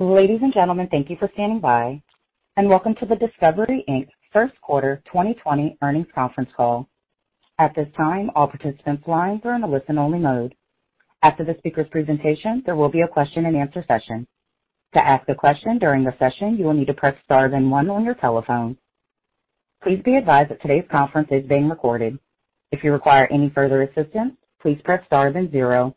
Ladies and gentlemen, thank you for standing by and welcome to the Discovery, Inc. First Quarter 2020 Earnings Conference Call. At this time, all participants' lines are in a listen-only mode. After the speaker's presentation, there will be a question-and-answer session. To ask a question during the session, you will need to press star then one on your telephone. Please be advised that today's conference is being recorded. If you require any further assistance, please press star then zero.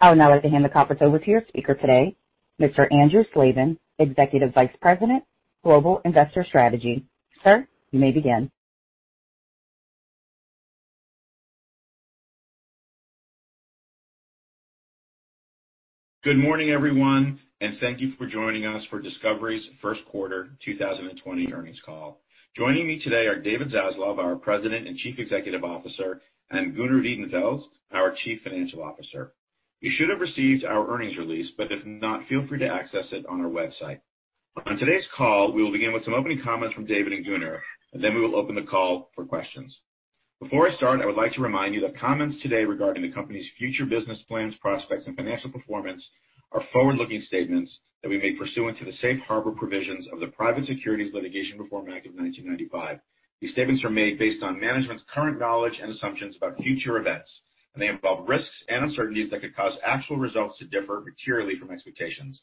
I would now like to hand the conference over to your speaker today, Mr. Andrew Slabin, Executive Vice President, Global Investor Strategy. Sir, you may begin. Good morning, everyone, and thank you for joining us for Discovery's first quarter 2020 earnings call. Joining me today are David Zaslav, our President and Chief Executive Officer, and Gunnar Wiedenfels, our Chief Financial Officer. You should have received our earnings release, if not, feel free to access it on our website. On today's call, we will begin with some opening comments from David and Gunnar, then we will open the call for questions. Before I start, I would like to remind you that comments today regarding the company's future business plans, prospects, and financial performance are forward-looking statements that we make pursuant to the safe harbor provisions of the Private Securities Litigation Reform Act of 1995. These statements are made based on management's current knowledge and assumptions about future events, they involve risks and uncertainties that could cause actual results to differ materially from expectations.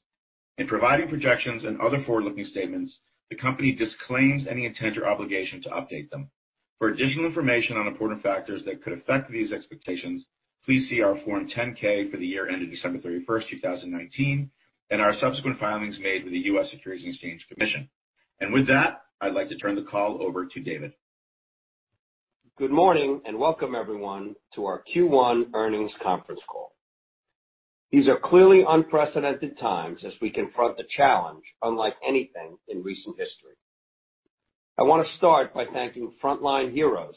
In providing projections and other forward-looking statements, the company disclaims any intent or obligation to update them. For additional information on important factors that could affect these expectations, please see our Form 10-K for the year ended December 31st, 2019, and our subsequent filings made with the U.S. Securities and Exchange Commission. With that, I'd like to turn the call over to David. Good morning, welcome everyone to our Q1 earnings conference call. These are clearly unprecedented times as we confront a challenge unlike anything in recent history. I want to start by thanking frontline heroes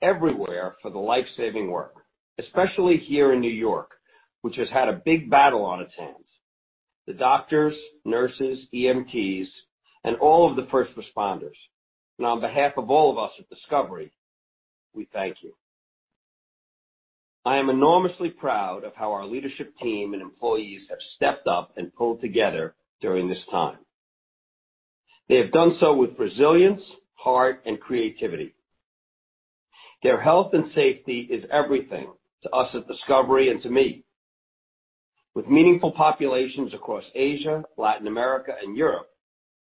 everywhere for the life-saving work, especially here in New York, which has had a big battle on its hands. The doctors, nurses, EMTs, and all of the first responders, and on behalf of all of us at Discovery, we thank you. I am enormously proud of how our leadership team and employees have stepped up and pulled together during this time. They have done so with resilience, heart, and creativity. Their health and safety is everything to us at Discovery and to me. With meaningful populations across Asia, Latin America, and Europe,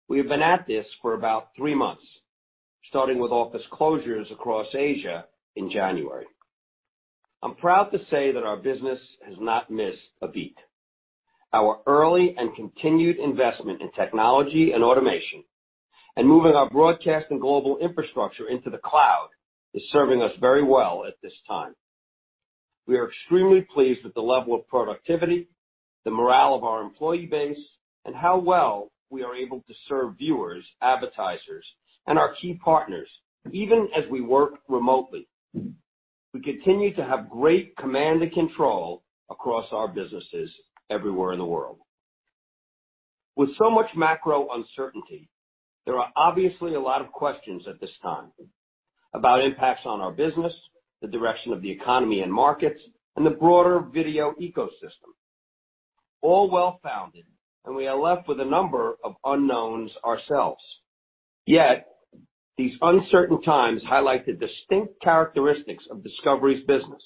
we have been at this for about three months, starting with office closures across Asia in January. I'm proud to say that our business has not missed a beat. Our early and continued investment in technology and automation and moving our broadcast and global infrastructure into the cloud is serving us very well at this time. We are extremely pleased with the level of productivity, the morale of our employee base, and how well we are able to serve viewers, advertisers, and our key partners, even as we work remotely. We continue to have great command and control across our businesses everywhere in the world. With so much macro uncertainty, there are obviously a lot of questions at this time about impacts on our business, the direction of the economy and markets, and the broader video ecosystem. All well-founded, and we are left with a number of unknowns ourselves. Yet these uncertain times highlight the distinct characteristics of Discovery's business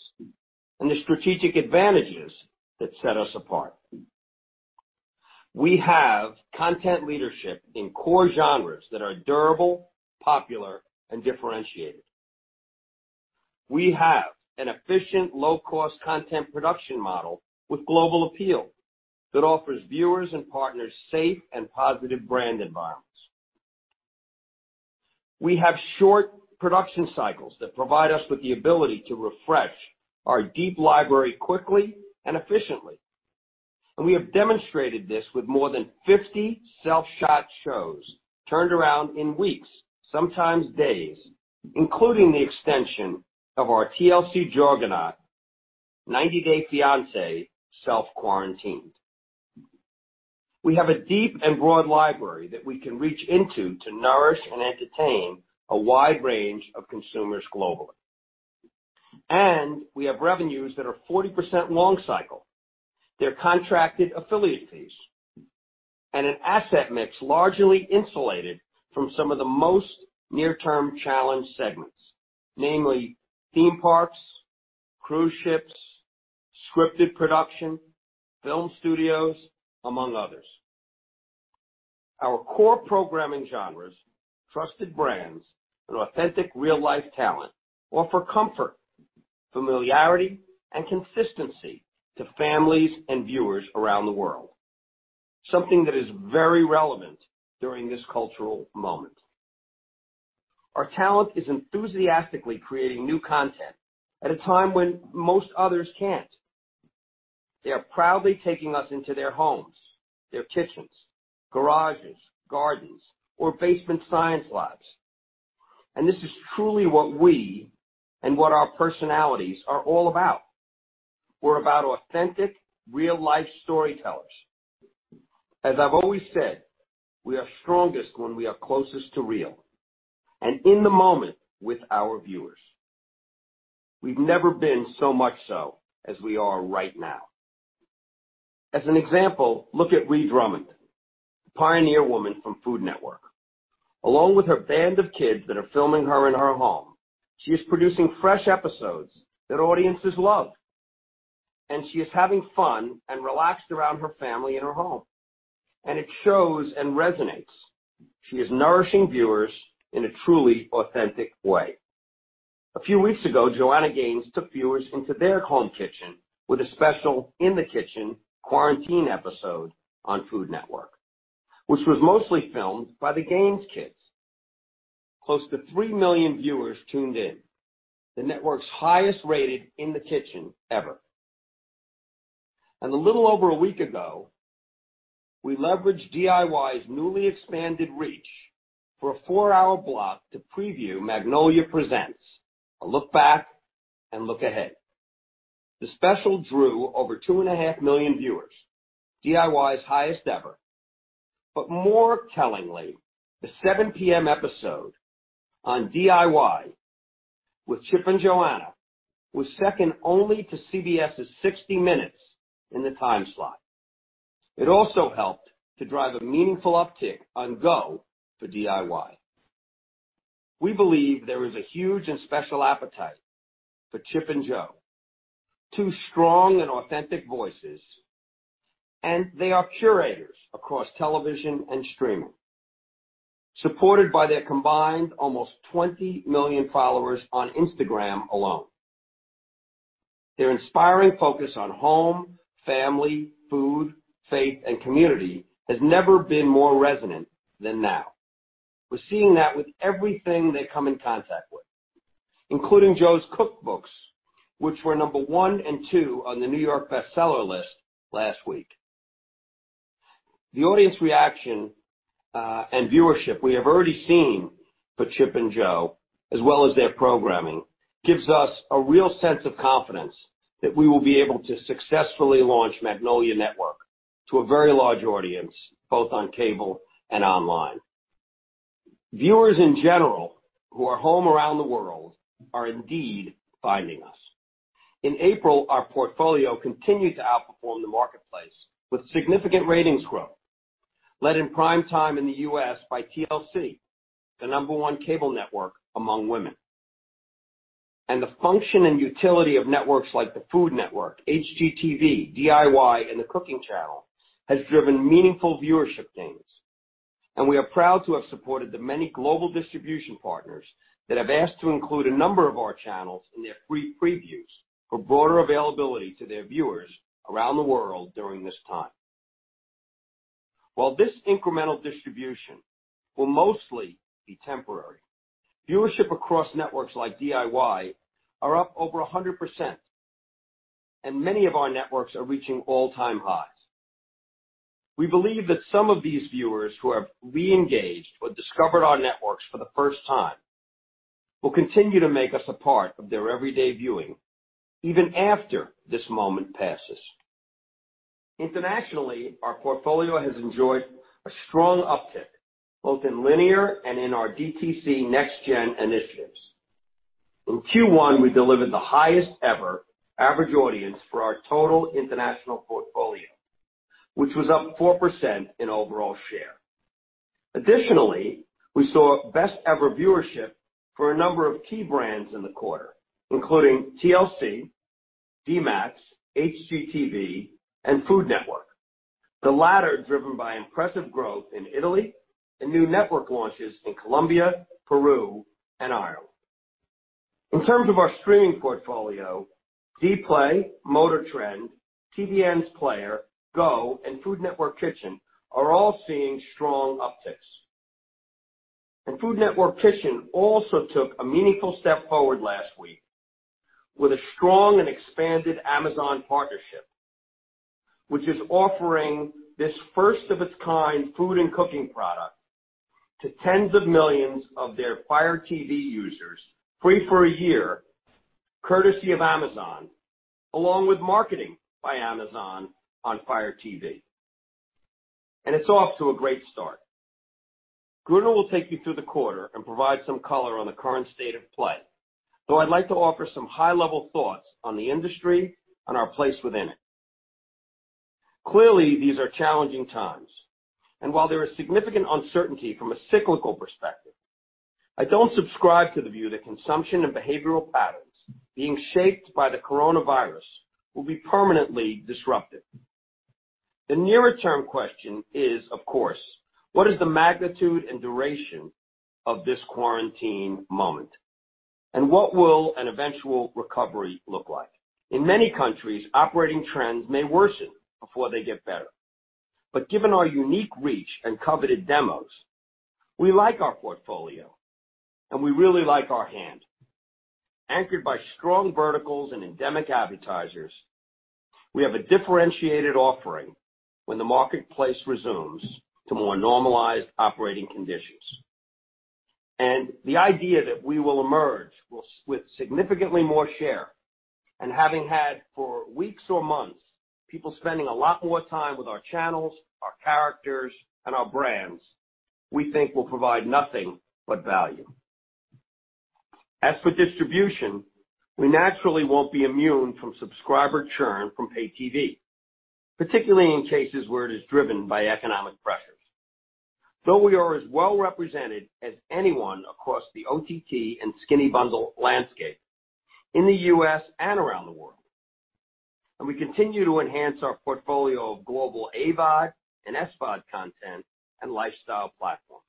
and the strategic advantages that set us apart. We have content leadership in core genres that are durable, popular, and differentiated. We have an efficient, low-cost content production model with global appeal that offers viewers and partners safe and positive brand environments. We have short production cycles that provide us with the ability to refresh our deep library quickly and efficiently. We have demonstrated this with more than 50 self-shot shows turned around in weeks, sometimes days, including the extension of our TLC juggernaut, "90 Day Fiancé: Self-Quarantined." We have a deep and broad library that we can reach into to nourish and entertain a wide range of consumers globally. We have revenues that are 40% long cycle. They're contracted affiliate fees and an asset mix largely insulated from some of the most near-term challenged segments, namely theme parks, cruise ships, scripted production, film studios, among others. Our core programming genres, trusted brands, and authentic real-life talent offer comfort, familiarity, and consistency to families and viewers around the world. Something that is very relevant during this cultural moment. Our talent is enthusiastically creating new content at a time when most others can't. They are proudly taking us into their homes, their kitchens, garages, gardens, or basement science labs. This is truly what we and what our personalities are all about. We're about authentic, real-life storytellers. As I've always said, we are strongest when we are closest to real and in the moment with our viewers. We've never been so much so as we are right now. As an example, look at Ree Drummond, the Pioneer Woman from Food Network. Along with her band of kids that are filming her in her home, she is producing fresh episodes that audiences love. She is having fun and relaxed around her family in her home, and it shows and resonates. She is nourishing viewers in a truly authentic way. A few weeks ago, Joanna Gaines took viewers into their home kitchen with a special In The Kitchen quarantine episode on Food Network, which was mostly filmed by the Gaines kids. Close to 3 million viewers tuned in, the network's highest-rated In The Kitchen ever. A little over a week ago, we leveraged DIY's newly expanded reach for a four-hour block to preview Magnolia Presents: A Look Back & A Look Ahead. The special drew over two and a half million viewers, DIY's highest ever. More tellingly, the 7:00 P.M. episode on DIY with Chip and Joanna was second only to CBS's 60 Minutes in the time slot. It also helped to drive a meaningful uptick on Discovery GO for DIY. We believe there is a huge and special appetite for Chip and Jo, two strong and authentic voices, and they are curators across television and streaming, supported by their combined almost 20 million followers on Instagram alone. Their inspiring focus on home, family, food, faith, and community has never been more resonant than now. We're seeing that with everything they come in contact with, including Jo's cookbooks, which were number one and two on the New York Times bestseller list last week. The audience reaction and viewership we have already seen for Chip and Jo, as well as their programming, gives us a real sense of confidence that we will be able to successfully launch Magnolia Network to a very large audience, both on cable and online. Viewers in general who are home around the world are indeed finding us. In April, our portfolio continued to outperform the marketplace with significant ratings growth, led in prime time in the U.S. by TLC, the number one cable network among women. The function and utility of networks like the Food Network, HGTV, DIY, and the Cooking Channel has driven meaningful viewership gains. We are proud to have supported the many global distribution partners that have asked to include a number of our channels in their free previews for broader availability to their viewers around the world during this time. While this incremental distribution will mostly be temporary, viewership across networks like DIY are up over 100%, and many of our networks are reaching all-time highs. We believe that some of these viewers who have re-engaged or discovered our networks for the first time will continue to make us a part of their everyday viewing even after this moment passes. Internationally, our portfolio has enjoyed a strong uptick both in linear and in our DTC next gen initiatives. In Q1, we delivered the highest ever average audience for our total international portfolio, which was up 4% in overall share. Additionally, we saw best-ever viewership for a number of key brands in the quarter, including TLC, DMAX, HGTV, and Food Network. The latter driven by impressive growth in Italy and new network launches in Colombia, Peru, and Ireland. In terms of our streaming portfolio, Dplay, MotorTrend, TVN Player, Go, and Food Network Kitchen are all seeing strong upticks. Food Network Kitchen also took a meaningful step forward last week with a strong and expanded Amazon partnership, which is offering this first-of-its-kind food and cooking product to tens of millions of their Fire TV users, free for a year, courtesy of Amazon, along with marketing by Amazon on Fire TV. It's off to a great start. Gunnar will take you through the quarter and provide some color on the current state of play, though I'd like to offer some high-level thoughts on the industry and our place within it. Clearly, these are challenging times, and while there is significant uncertainty from a cyclical perspective, I don't subscribe to the view that consumption and behavioral patterns being shaped by the Coronavirus will be permanently disrupted. The nearer term question is, of course, what is the magnitude and duration of this quarantine moment, and what will an eventual recovery look like? In many countries, operating trends may worsen before they get better. Given our unique reach and coveted demos, we like our portfolio, and we really like our hand. Anchored by strong verticals and endemic advertisers, we have a differentiated offering when the marketplace resumes to more normalized operating conditions. The idea that we will emerge with significantly more share and having had for weeks or months, people spending a lot more time with our channels, our characters, and our brands, we think will provide nothing but value. As for distribution, we naturally won't be immune from subscriber churn from paid TV, particularly in cases where it is driven by economic pressures. Though we are as well represented as anyone across the OTT and skinny bundle landscape in the U.S. and around the world, and we continue to enhance our portfolio of global AVOD and SVOD content and lifestyle platforms.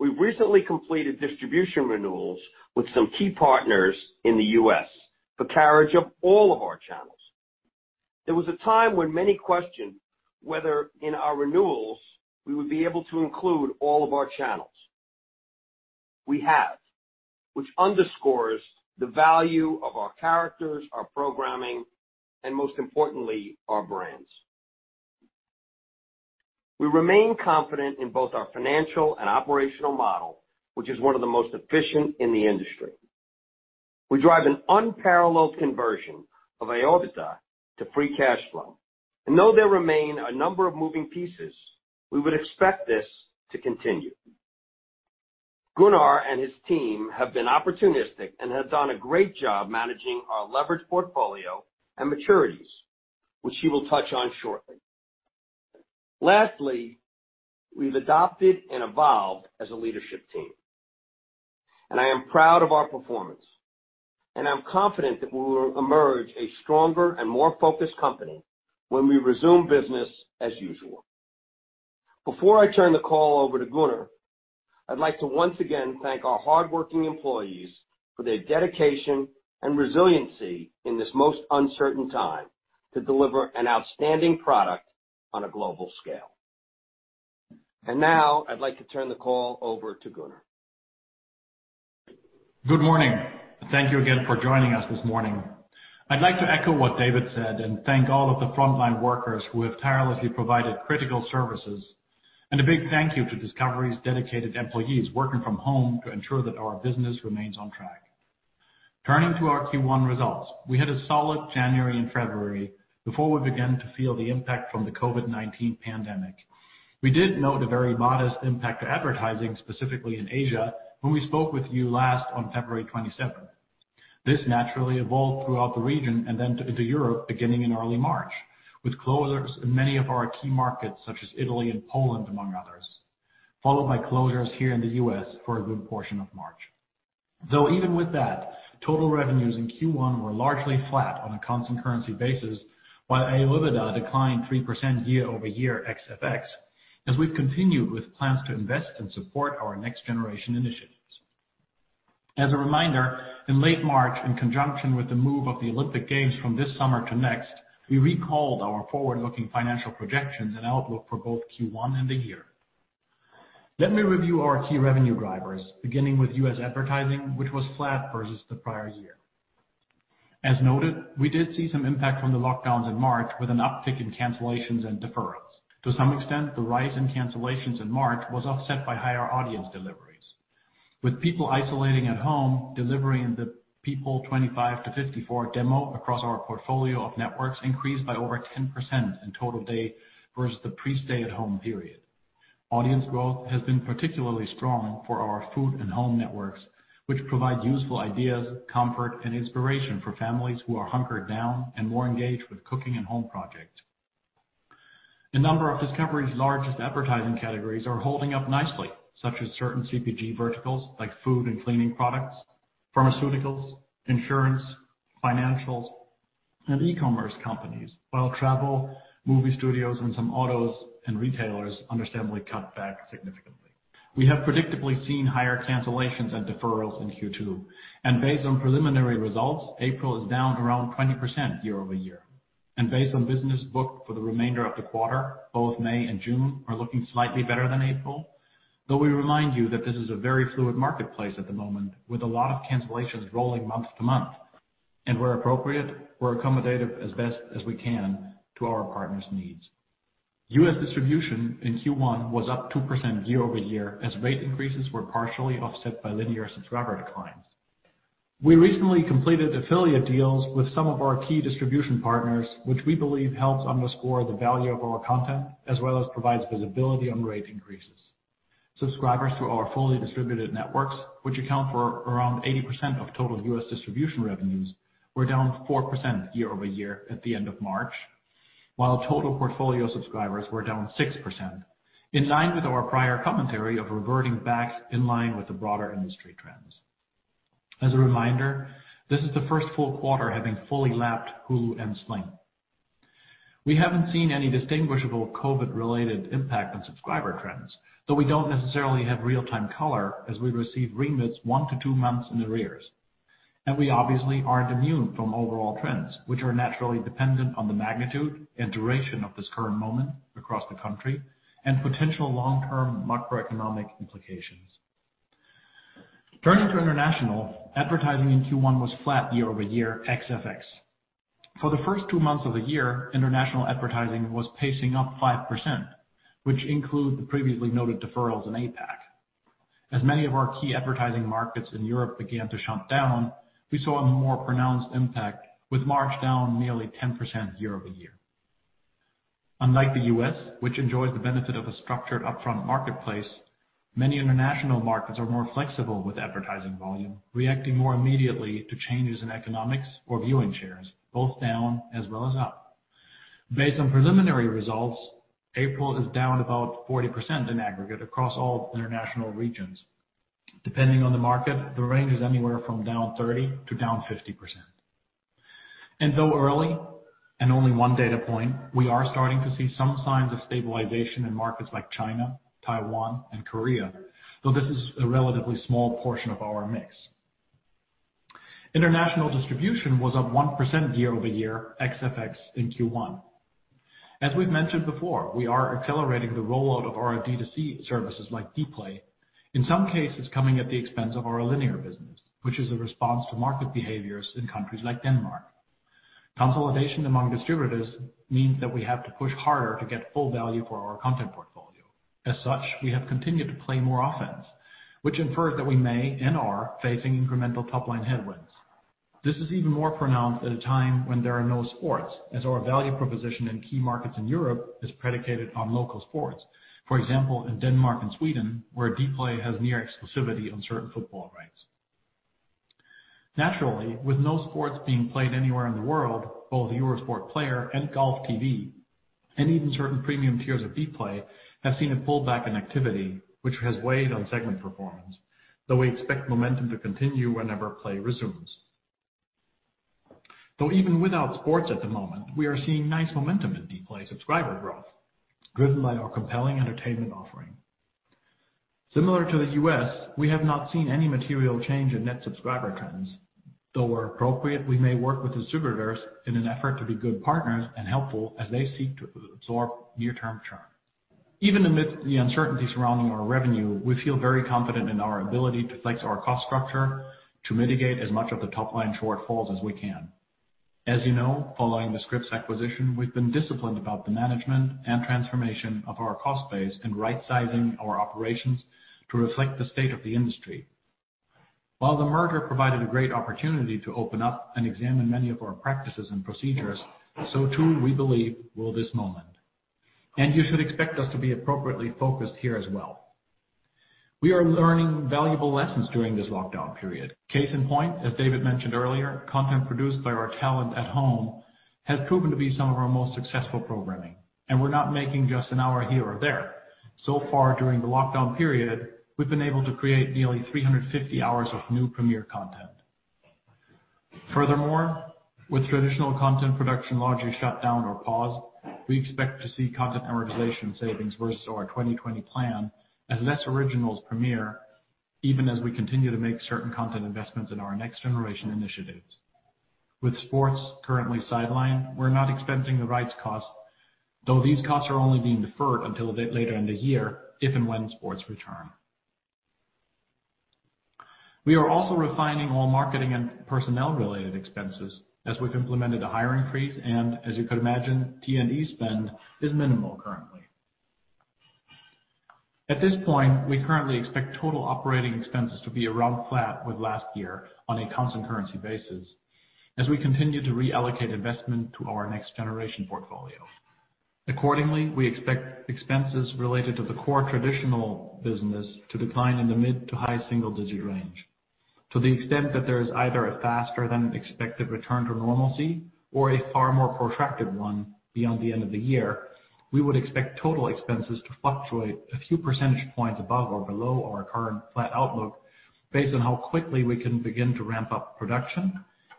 We've recently completed distribution renewals with some key partners in the U.S. for carriage of all of our channels. There was a time when many questioned whether in our renewals we would be able to include all of our channels. We have, which underscores the value of our characters, our programming, and most importantly, our brands. We remain confident in both our financial and operational model, which is one of the most efficient in the industry. We drive an unparalleled conversion of OIBDA to free cash flow, and though there remain a number of moving pieces, we would expect this to continue. Gunnar and his team have been opportunistic and have done a great job managing our leverage portfolio and maturities, which he will touch on shortly. Lastly, we've adopted and evolved as a leadership team, and I am proud of our performance. I'm confident that we will emerge a stronger and more focused company when we resume business as usual. Before I turn the call over to Gunnar, I'd like to once again thank our hardworking employees for their dedication and resiliency in this most uncertain time to deliver an outstanding product on a global scale. Now I'd like to turn the call over to Gunnar. Good morning. Thank you again for joining us this morning. I'd like to echo what David said and thank all of the frontline workers who have tirelessly provided critical services, and a big thank you to Discovery's dedicated employees working from home to ensure that our business remains on track. Turning to our Q1 results, we had a solid January and February before we began to feel the impact from the COVID-19 pandemic. We did note a very modest impact to advertising, specifically in Asia, when we spoke with you last on February 27th. This naturally evolved throughout the region and then to Europe beginning in early March, with closures in many of our key markets, such as Italy and Poland, among others, followed by closures here in the U.S. for a good portion of March. Even with that, total revenues in Q1 were largely flat on a constant currency basis, while OIBDA declined 3% year-over-year ex FX, as we've continued with plans to invest and support our next generation initiatives. As a reminder, in late March, in conjunction with the move of the Olympic Games from this summer to next, we recalled our forward-looking financial projections and outlook for both Q1 and the year. Let me review our key revenue drivers, beginning with U.S. advertising, which was flat versus the prior year. As noted, we did see some impact from the lockdowns in March with an uptick in cancellations and deferrals. To some extent, the rise in cancellations in March was offset by higher audience deliveries. With people isolating at home, delivering the people 25 to 54 demo across our portfolio of networks increased by over 10% in total day versus the pre-stay at home period. Audience growth has been particularly strong for our food and home networks, which provide useful ideas, comfort, and inspiration for families who are hunkered down and more engaged with cooking and home projects. A number of Discovery's largest advertising categories are holding up nicely, such as certain CPG verticals like food and cleaning products, pharmaceuticals, insurance, financials, and e-commerce companies. Travel, movie studios, and some autos and retailers understandably cut back significantly. We have predictably seen higher cancellations and deferrals in Q2, and based on preliminary results, April is down around 20% year-over-year. Based on business booked for the remainder of the quarter, both May and June are looking slightly better than April, though we remind you that this is a very fluid marketplace at the moment, with a lot of cancellations rolling month-to-month. Where appropriate, we're accommodative as best as we can to our partners' needs. U.S. distribution in Q1 was up 2% year-over-year, as rate increases were partially offset by linear subscriber declines. We recently completed affiliate deals with some of our key distribution partners, which we believe helps underscore the value of our content as well as provides visibility on rate increases. Subscribers to our fully distributed networks, which account for around 80% of total U.S. distribution revenues, were down 4% year-over-year at the end of March, while total portfolio subscribers were down 6%, in line with our prior commentary of reverting back in line with the broader industry trends. As a reminder, this is the first full quarter having fully lapped Hulu and Sling. We haven't seen any distinguishable COVID-19-related impact on subscriber trends, though we don't necessarily have real-time color as we receive remits one to two months in the arrears. We obviously aren't immune from overall trends, which are naturally dependent on the magnitude and duration of this current moment across the country and potential long-term macroeconomic implications. Turning to international, advertising in Q1 was flat year-over-year ex FX. For the first two months of the year, international advertising was pacing up 5%, which include the previously noted deferrals in APAC. Many of our key advertising markets in Europe began to shut down, we saw a more pronounced impact with March down nearly 10% year-over-year. Unlike the U.S., which enjoys the benefit of a structured upfront marketplace, many international markets are more flexible with advertising volume, reacting more immediately to changes in economics or viewing shares, both down as well as up. Based on preliminary results, April is down about 40% in aggregate across all international regions. Depending on the market, the range is anywhere from down 30% to down 50%. Though early, and only one data point, we are starting to see some signs of stabilization in markets like China, Taiwan, and Korea, though this is a relatively small portion of our mix. International distribution was up 1% year-over-year ex FX in Q1. As we've mentioned before, we are accelerating the rollout of our D2C services like Dplay. In some cases, coming at the expense of our linear business, which is a response to market behaviors in countries like Denmark. Consolidation among distributors means that we have to push harder to get full value for our content portfolio. As such, we have continued to play more offense, which infers that we may, and are, facing incremental top-line headwinds. This is even more pronounced at a time when there are no sports, as our value proposition in key markets in Europe is predicated on local sports. For example, in Denmark and Sweden, where Dplay has near exclusivity on certain football rights. Naturally, with no sports being played anywhere in the world, both Eurosport Player and GOLFTV, and even certain premium tiers of Dplay, have seen a pullback in activity, which has weighed on segment performance, though we expect momentum to continue whenever play resumes. Even without sports at the moment, we are seeing nice momentum in Dplay subscriber growth, driven by our compelling entertainment offering. Similar to the U.S., we have not seen any material change in net subscriber trends, though where appropriate, we may work with distributors in an effort to be good partners and helpful as they seek to absorb near-term churn. Even amid the uncertainty surrounding our revenue, we feel very confident in our ability to flex our cost structure to mitigate as much of the top-line shortfalls as we can. As you know, following the Scripps acquisition, we've been disciplined about the management and transformation of our cost base and rightsizing our operations to reflect the state of the industry. While the merger provided a great opportunity to open up and examine many of our practices and procedures, so too we believe will this moment. You should expect us to be appropriately focused here as well. We are learning valuable lessons during this lockdown period. Case in point, as David mentioned earlier, content produced by our talent at home has proven to be some of our most successful programming, and we're not making just an hour here or there. So far during the lockdown period, we've been able to create nearly 350 hours of new premiere content. Furthermore, with traditional content production largely shut down or paused, we expect to see content amortization savings versus our 2020 plan as less originals premiere, even as we continue to make certain content investments in our next generation initiatives. With sports currently sidelined, we're not expensing the rights cost, though these costs are only being deferred until a bit later in the year if and when sports return. We are also refining all marketing and personnel-related expenses, as we've implemented a hiring freeze and, as you could imagine, T&E spend is minimal currently. At this point, we currently expect total operating expenses to be around flat with last year on a constant currency basis, as we continue to reallocate investment to our next generation portfolio. Accordingly, we expect expenses related to the core traditional business to decline in the mid to high single digit range. To the extent that there is either a faster than expected return to normalcy or a far more protracted one beyond the end of the year, we would expect total expenses to fluctuate a few percentage points above or below our current flat outlook based on how quickly we can begin to ramp up production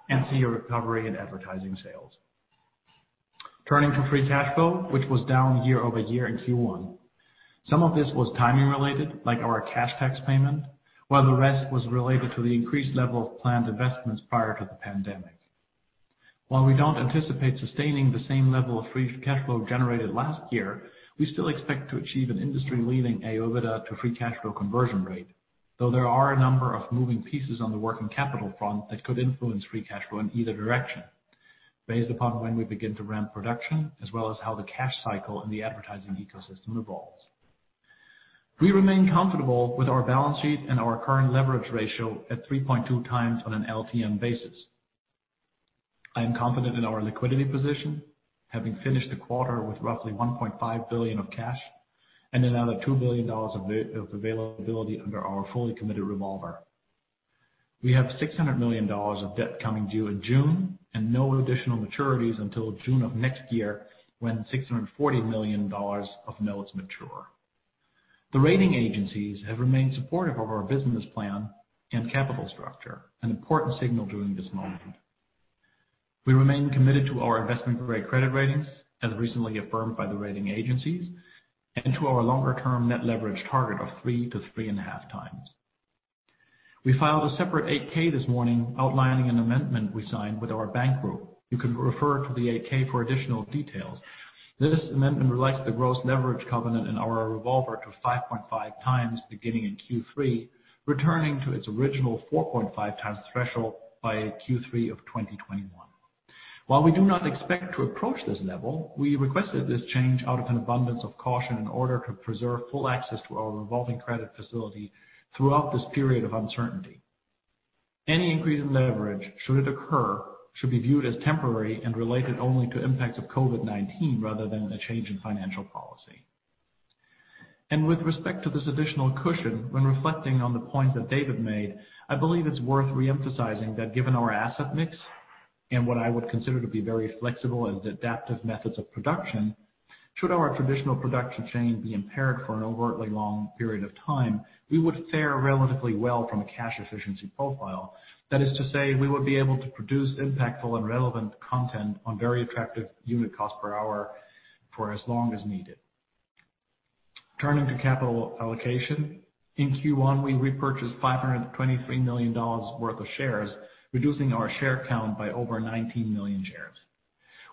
and see a recovery in advertising sales. Turning to free cash flow, which was down year-over-year in Q1. Some of this was timing related, like our cash tax payment, while the rest was related to the increased level of planned investments prior to the pandemic. While we don't anticipate sustaining the same level of free cash flow generated last year, we still expect to achieve an industry-leading OIBDA to free cash flow conversion rate, though there are a number of moving pieces on the working capital front that could influence free cash flow in either direction based upon when we begin to ramp production, as well as how the cash cycle and the advertising ecosystem evolves. We remain comfortable with our balance sheet and our current leverage ratio at 3.2x on an LTM basis. I am confident in our liquidity position, having finished the quarter with roughly $1.5 billion of cash and another $2 billion of availability under our fully committed revolver. We have $600 million of debt coming due in June and no additional maturities until June of next year when $640 million of notes mature. The rating agencies have remained supportive of our business plan and capital structure, an important signal during this moment. We remain committed to our investment-grade credit ratings, as recently affirmed by the rating agencies, and to our longer-term net leverage target of 3x-3.5x. We filed a separate 8-K this morning outlining an amendment we signed with our bank group. You can refer to the 8-K for additional details. This amendment relaxes the gross leverage covenant in our revolver to 5.5x beginning in Q3, returning to its original 4.5x threshold by Q3 of 2021. While we do not expect to approach this level, we requested this change out of an abundance of caution in order to preserve full access to our revolving credit facility throughout this period of uncertainty. Any increase in leverage, should it occur, should be viewed as temporary and related only to impacts of COVID-19 rather than a change in financial policy. With respect to this additional cushion, when reflecting on the point that David made, I believe it's worth re-emphasizing that given our asset mix and what I would consider to be very flexible as adaptive methods of production, should our traditional production chain be impaired for an overtly long period of time, we would fare relatively well from a cash efficiency profile. That is to say, we would be able to produce impactful and relevant content on very attractive unit cost per hour for as long as needed. Turning to capital allocation. In Q1, we repurchased $523 million worth of shares, reducing our share count by over 19 million shares.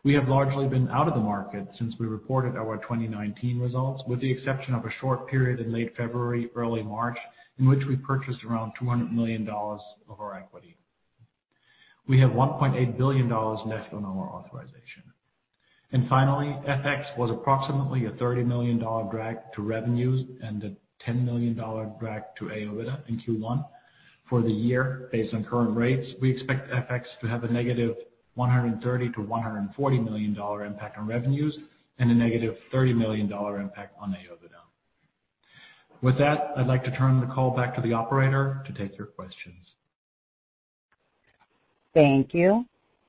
We have largely been out of the market since we reported our 2019 results, with the exception of a short period in late February, early March, in which we purchased around $200 million of our equity. We have $1.8 billion left on our authorization. Finally, FX was approximately a $30 million drag to revenues and a $10 million drag to OIBDA in Q1. For the year, based on current rates, we expect FX to have a negative $130 million-$140 million impact on revenues and a -$30 million impact on OIBDA. With that, I'd like to turn the call back to the operator to take your questions. Thank you.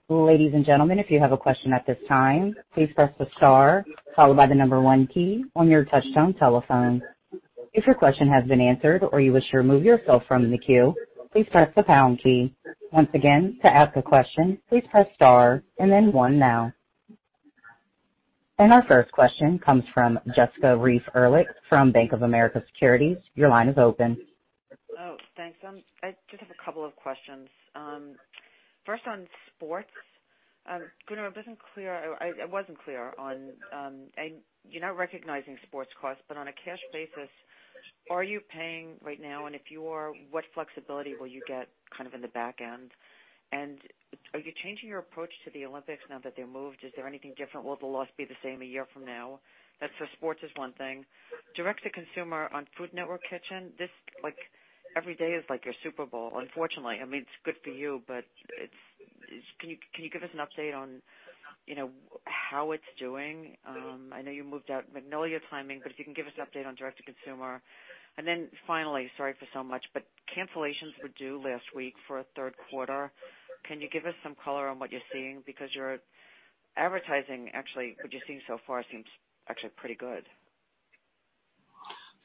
Ladies and gentlemen, if you have a question at this time, please press the star followed by the number one key on your touch-tone telephone. If your question has been answered or you wish to remove yourself from the queue, please press the pound key. Once again, to ask a question, please press star and then one now. Our first question comes from Jessica Reif Ehrlich from Bank of America Securities. Your line is open. Oh, thanks. I just have a couple of questions. First, on sports. Gunnar, it wasn't clear. You're not recognizing sports costs, but on a cash basis, are you paying right now? If you are, what flexibility will you get kind of in the back end? Are you changing your approach to the Olympics now that they're moved? Is there anything different? Will the loss be the same a year from now? That's for sports is one thing. Direct to consumer on Food Network Kitchen, every day is like your Super Bowl, unfortunately. I mean, it's good for you, but can you give us an update on how it's doing? I know you moved out Magnolia timing, but if you can give us an update on direct to consumer. Finally, sorry for so much, but cancellations were due last week for a third quarter. Can you give us some color on what you're seeing? Your advertising actually, what you're seeing so far seems actually pretty good.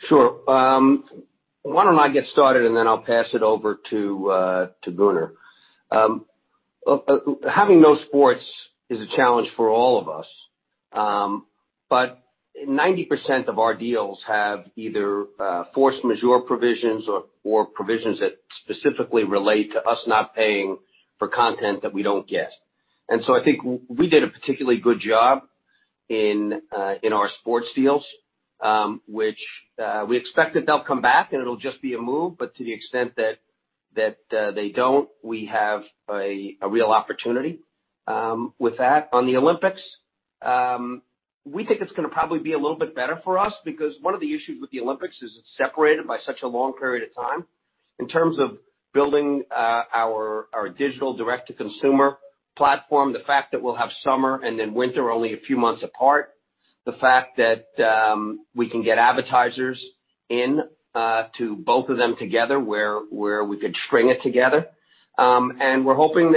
Sure. Why don't I get started and then I'll pass it over to Gunnar. Having no sports is a challenge for all of us. 90% of our deals have either force majeure provisions or provisions that specifically relate to us not paying for content that we don't get. I think we did a particularly good job in our sports deals, which we expect that they'll come back and it'll just be a move, but to the extent that they don't, we have a real opportunity with that. On the Olympics, we think it's going to probably be a little bit better for us because one of the issues with the Olympics is it's separated by such a long period of time, in terms of building our digital direct-to-consumer platform, the fact that we'll have summer and then winter only a few months apart. The fact that we can get advertisers into both of them together where we could string it together. We're hoping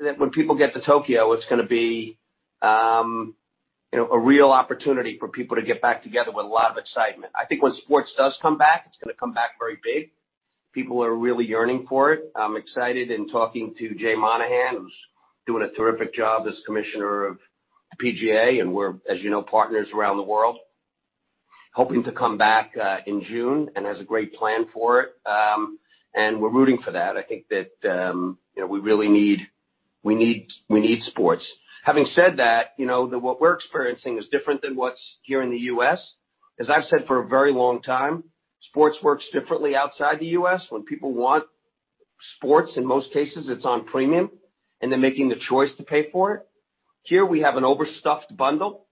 that when people get to Tokyo, it's going to be a real opportunity for people to get back together with a lot of excitement. I think once sports does come back, it's going to come back very big. People are really yearning for it. I'm excited in talking to Jay Monahan, who's doing a terrific job as commissioner of PGA, and we're, as you know, partners around the world. Hoping to come back in June and has a great plan for it. We're rooting for that. I think that we really need sports. Having said that, what we're experiencing is different than what's here in the U.S. As I've said for a very long time, sports works differently outside the U.S. When people want sports, in most cases, it's on premium, and they're making the choice to pay for it. Here we have an overstuffed bundle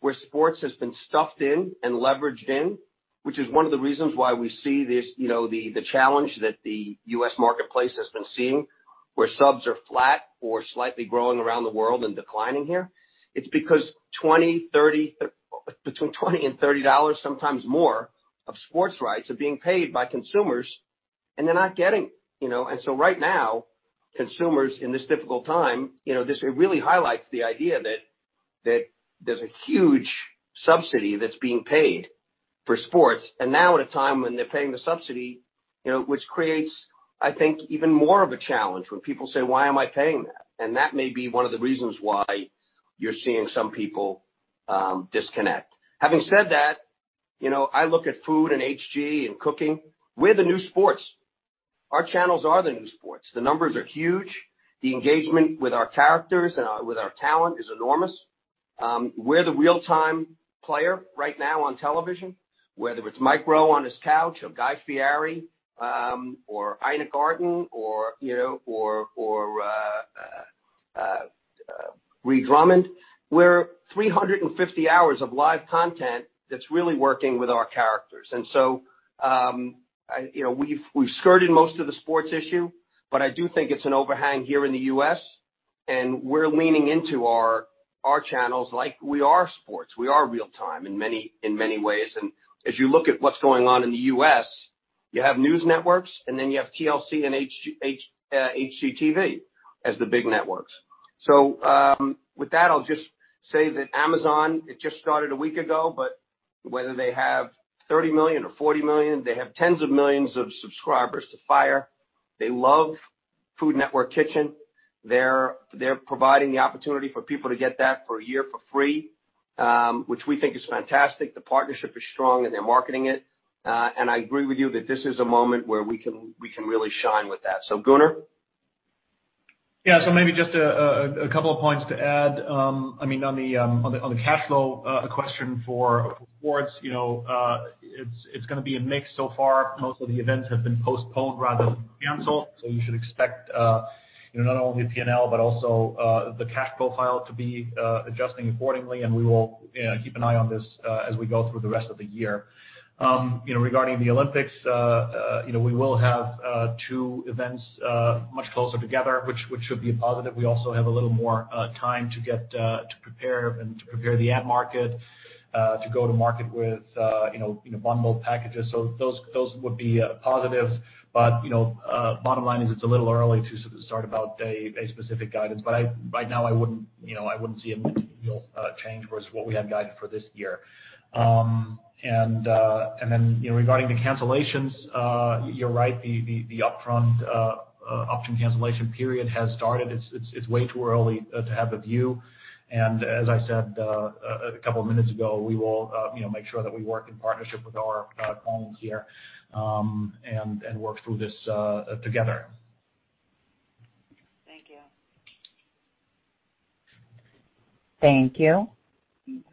where sports has been stuffed in and leveraged in, which is one of the reasons why we see the challenge that the U.S. marketplace has been seeing, where subs are flat or slightly growing around the world and declining here. It's because between $20 and $30, sometimes more, of sports rights are being paid by consumers, and they're not getting. Right now, consumers in this difficult time, this really highlights the idea that there's a huge subsidy that's being paid for sports. Now at a time when they're paying the subsidy, which creates, I think, even more of a challenge when people say, "Why am I paying that?" That may be one of the reasons why you're seeing some people disconnect. Having said that, I look at food and HG and cooking. We're the new sports. Our channels are the new sports. The numbers are huge. The engagement with our characters and with our talent is enormous. We're the real-time player right now on television, whether it's Mike Rowe on his couch or Guy Fieri, or Ina Garten or Ree Drummond. We're 350 hours of live content that's really working with our characters. We've skirted most of the sports issue, but I do think it's an overhang here in the U.S. We're leaning into our channels like we are sports. We are real-time in many ways. As you look at what's going on in the U.S., you have news networks, you have TLC and HGTV as the big networks. With that, I'll just say that Amazon, it just started a week ago, but whether they have 30 million or 40 million, they have tens of millions of subscribers to Fire. They love Food Network Kitchen. They're providing the opportunity for people to get that for a year for free, which we think is fantastic. The partnership is strong, and they're marketing it. I agree with you that this is a moment where we can really shine with that. Gunnar? Yeah. Maybe just a couple of points to add. On the cash flow question for sports, it's going to be a mix so far. Most of the events have been postponed rather than canceled. You should expect not only P&L, but also the cash profile to be adjusting accordingly, and we will keep an eye on this as we go through the rest of the year. Regarding the Olympic Games, we will have two events much closer together, which should be a positive. We also have a little more time to prepare and to prepare the ad market, to go to market with bundled packages. Those would be positives. Bottom line is it's a little early to start about a specific guidance. Right now I wouldn't see a material change versus what we had guided for this year. Regarding the cancellations, you're right, the upfront option cancellation period has started. It's way too early to have a view, and as I said a couple of minutes ago, we will make sure that we work in partnership with our homes here, and work through this together. Thank you. Thank you.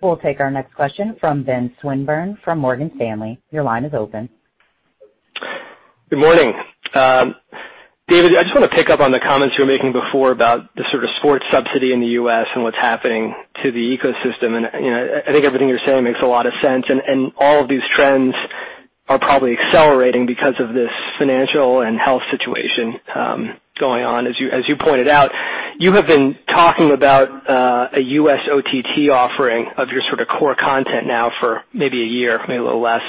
We'll take our next question from Ben Swinburne from Morgan Stanley. Your line is open. Good morning. David, I just want to pick up on the comments you were making before about the sort of sports subsidy in the U.S. and what's happening to the ecosystem. I think everything you're saying makes a lot of sense, and all of these trends are probably accelerating because of this financial and health situation going on. As you pointed out, you have been talking about a U.S. OTT offering of your sort of core content now for maybe a year, maybe a little less.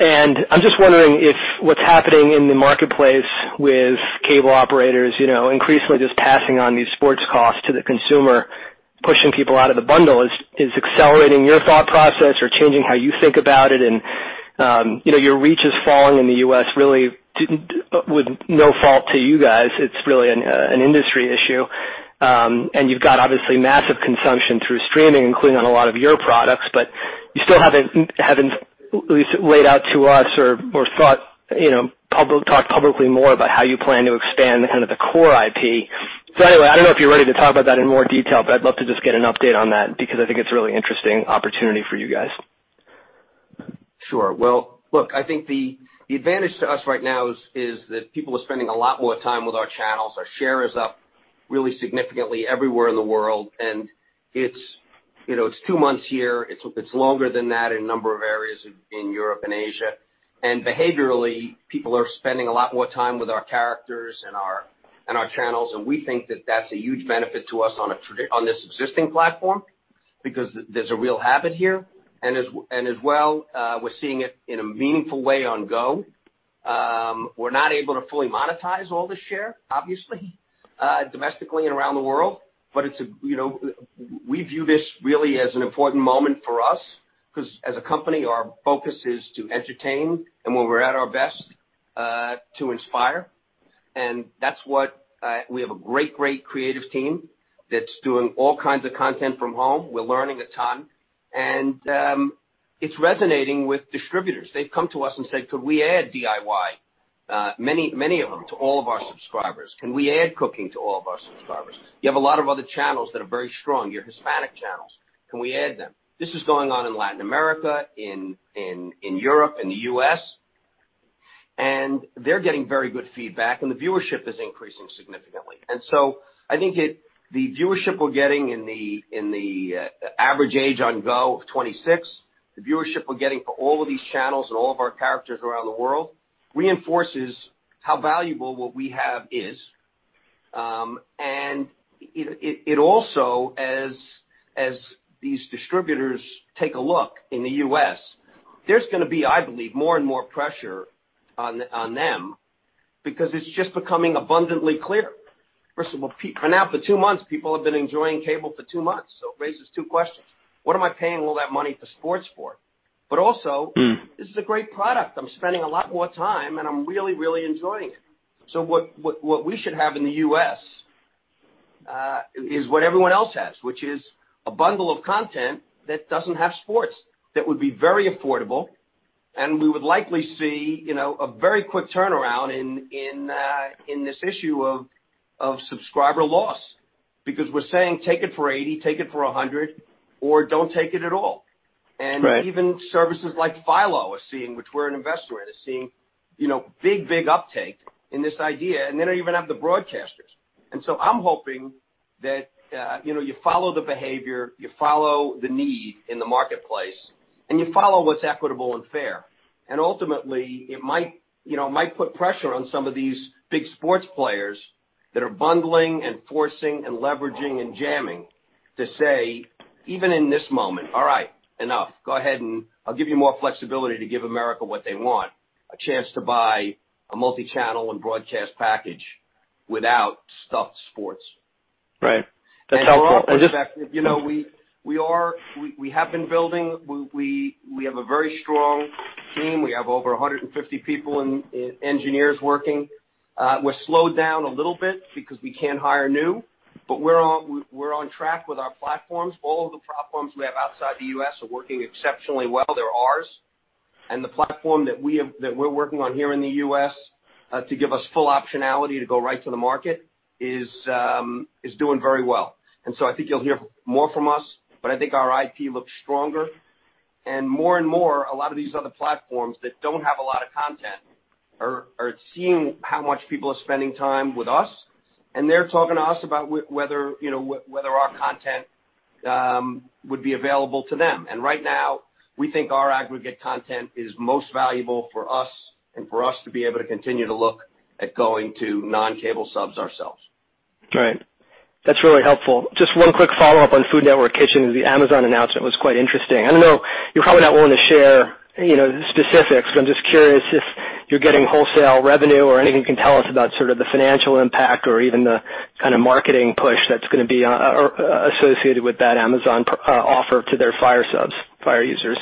I'm just wondering if what's happening in the marketplace with cable operators increasingly just passing on these sports costs to the consumer, pushing people out of the bundle, is accelerating your thought process or changing how you think about it. Your reach is falling in the U.S. really with no fault to you guys. It's really an industry issue. You've got obviously massive consumption through streaming, including on a lot of your products, but you still haven't at least laid out to us or talked publicly more about how you plan to expand kind of the core IP. Anyway, I don't know if you're ready to talk about that in more detail, but I'd love to just get an update on that because I think it's a really interesting opportunity for you guys. Sure. Well, look, I think the advantage to us right now is that people are spending a lot more time with our channels. Our share is up really significantly everywhere in the world, and it's two months here. It's longer than that in a number of areas in Europe and Asia. And behaviorally, people are spending a lot more time with our characters and our channels, and we think that that's a huge benefit to us on this existing platform because there's a real habit here. And as well, we're seeing it in a meaningful way on Discovery GO. We're not able to fully monetize all the share, obviously, domestically and around the world. But we view this really as an important moment for us because as a company, our focus is to entertain and when we're at our best, to inspire. We have a great creative team that's doing all kinds of content from home. We're learning a ton. It's resonating with distributors. They've come to us and said, "Could we add DIY?" Many of them to all of our subscribers. Can we add cooking to all of our subscribers? You have a lot of other channels that are very strong, your Hispanic channels. Can we add them? This is going on in Latin America, in Europe, in the U.S., and they're getting very good feedback, and the viewership is increasing significantly. I think the viewership we're getting in the average age on GO of 26, the viewership we're getting for all of these channels and all of our characters around the world reinforces how valuable what we have is. It also, as these distributors take a look in the U.S., there's going to be, I believe, more and more pressure on them because it's just becoming abundantly clear. First of all, for now, for two months, people have been enjoying cable for two months. It raises two questions. What am I paying all that money to sports for? Also, this is a great product. I'm spending a lot more time, and I'm really enjoying it. What we should have in the U.S. is what everyone else has, which is a bundle of content that doesn't have sports that would be very affordable. We would likely see a very quick turnaround in this issue of subscriber loss. We're saying, take it for $80, take it for $100, or don't take it at all. Right. Even services like Philo, which we're an investor in, is seeing big uptake in this idea, and they don't even have the broadcasters. I'm hoping that you follow the behavior, you follow the need in the marketplace, and you follow what's equitable and fair. Ultimately, it might put pressure on some of these big sports players that are bundling and forcing and leveraging and jamming to say, even in this moment, "All right. Enough. Go ahead, and I'll give you more flexibility to give America what they want, a chance to buy a multi-channel and broadcast package without stuffed sports. Right. That's helpful. From our perspective, we have been building. We have a very strong team. We have over 150 people and engineers working. We're slowed down a little bit because we can't hire new, but we're on track with our platforms. All of the platforms we have outside the U.S. are working exceptionally well. They're ours. The platform that we're working on here in the U.S. to give us full optionality to go right to the market is doing very well. I think you'll hear more from us, but I think our IP looks stronger. More and more, a lot of these other platforms that don't have a lot of content are seeing how much people are spending time with us, and they're talking to us about whether our content would be available to them. Right now, we think our aggregate content is most valuable for us, and for us to be able to continue to look at going to non-cable subs ourselves. Right. That's really helpful. Just one quick follow-up on Food Network Kitchen. The Amazon announcement was quite interesting. I know you're probably not willing to share specifics. I'm just curious if you're getting wholesale revenue or anything you can tell us about sort of the financial impact or even the kind of marketing push that's going to be associated with that Amazon offer to their Fire subs, Fire users.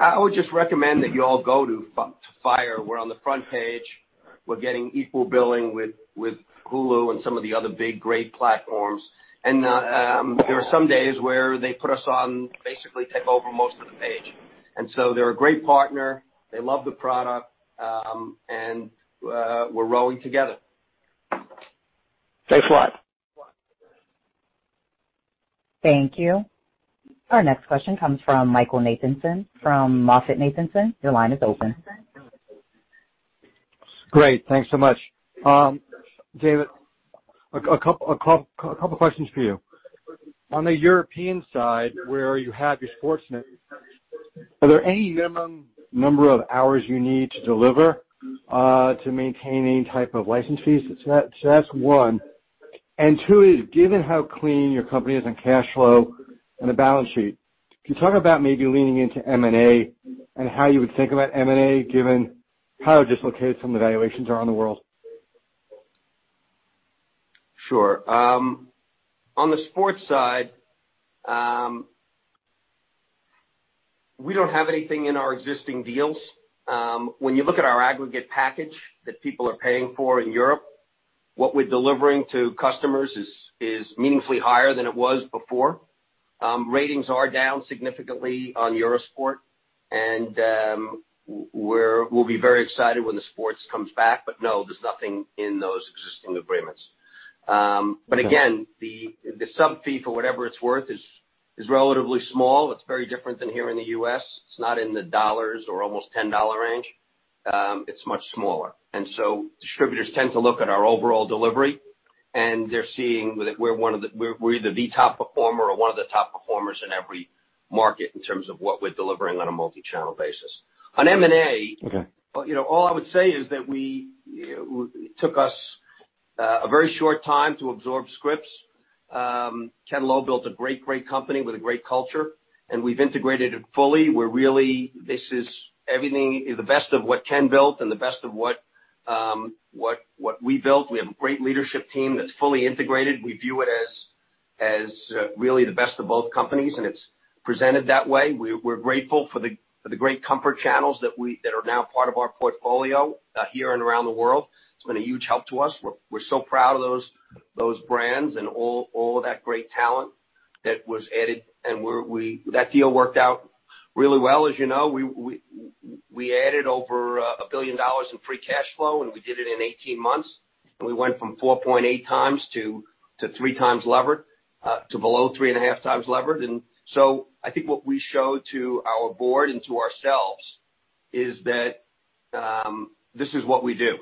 I would just recommend that you all go to Fire. We're on the front page. We're getting equal billing with Hulu and some of the other big, great platforms. There are some days where they put us on, basically take over most of the page. They're a great partner. They love the product. We're rowing together. Thanks a lot. Thank you. Our next question comes from Michael Nathanson from MoffettNathanson. Your line is open. Great. Thanks so much. David, a couple questions for you. On the European side, where you have your sports net, are there any minimum number of hours you need to deliver to maintain any type of license fees? So that's one. Two is, given how clean your company is on cash flow and the balance sheet, can you talk about maybe leaning into M&A and how you would think about M&A given how dislocated some of the valuations are on the world? Sure. On the sports side, we don't have anything in our existing deals. When you look at our aggregate package that people are paying for in Europe, what we're delivering to customers is meaningfully higher than it was before. Ratings are down significantly on Eurosport. We'll be very excited when the sports comes back. No, there's nothing in those existing agreements. Again, the sub fee, for whatever it's worth, is relatively small. It's very different than here in the U.S. It's not in the dollars or almost $10 range. It's much smaller. So distributors tend to look at our overall delivery, and they're seeing that we're either the top performer or one of the top performers in every market in terms of what we're delivering on a multi-channel basis. On M&A- Okay All I would say is that it took us a very short time to absorb Scripps. Ken Lowe built a great company with a great culture, and we've integrated it fully. Everything is the best of what Ken built and the best of what we built. We have a great leadership team that's fully integrated. We view it as really the best of both companies, and it's presented that way. We're grateful for the great comfort channels that are now part of our portfolio here and around the world. It's been a huge help to us. We're so proud of those brands and all that great talent that was added. That deal worked out really well. As you know, we added over $1 billion in free cash flow, and we did it in 18 months. We went from 4.8x-3x levered to below three and a half times levered. I think what we show to our board and to ourselves is that this is what we do,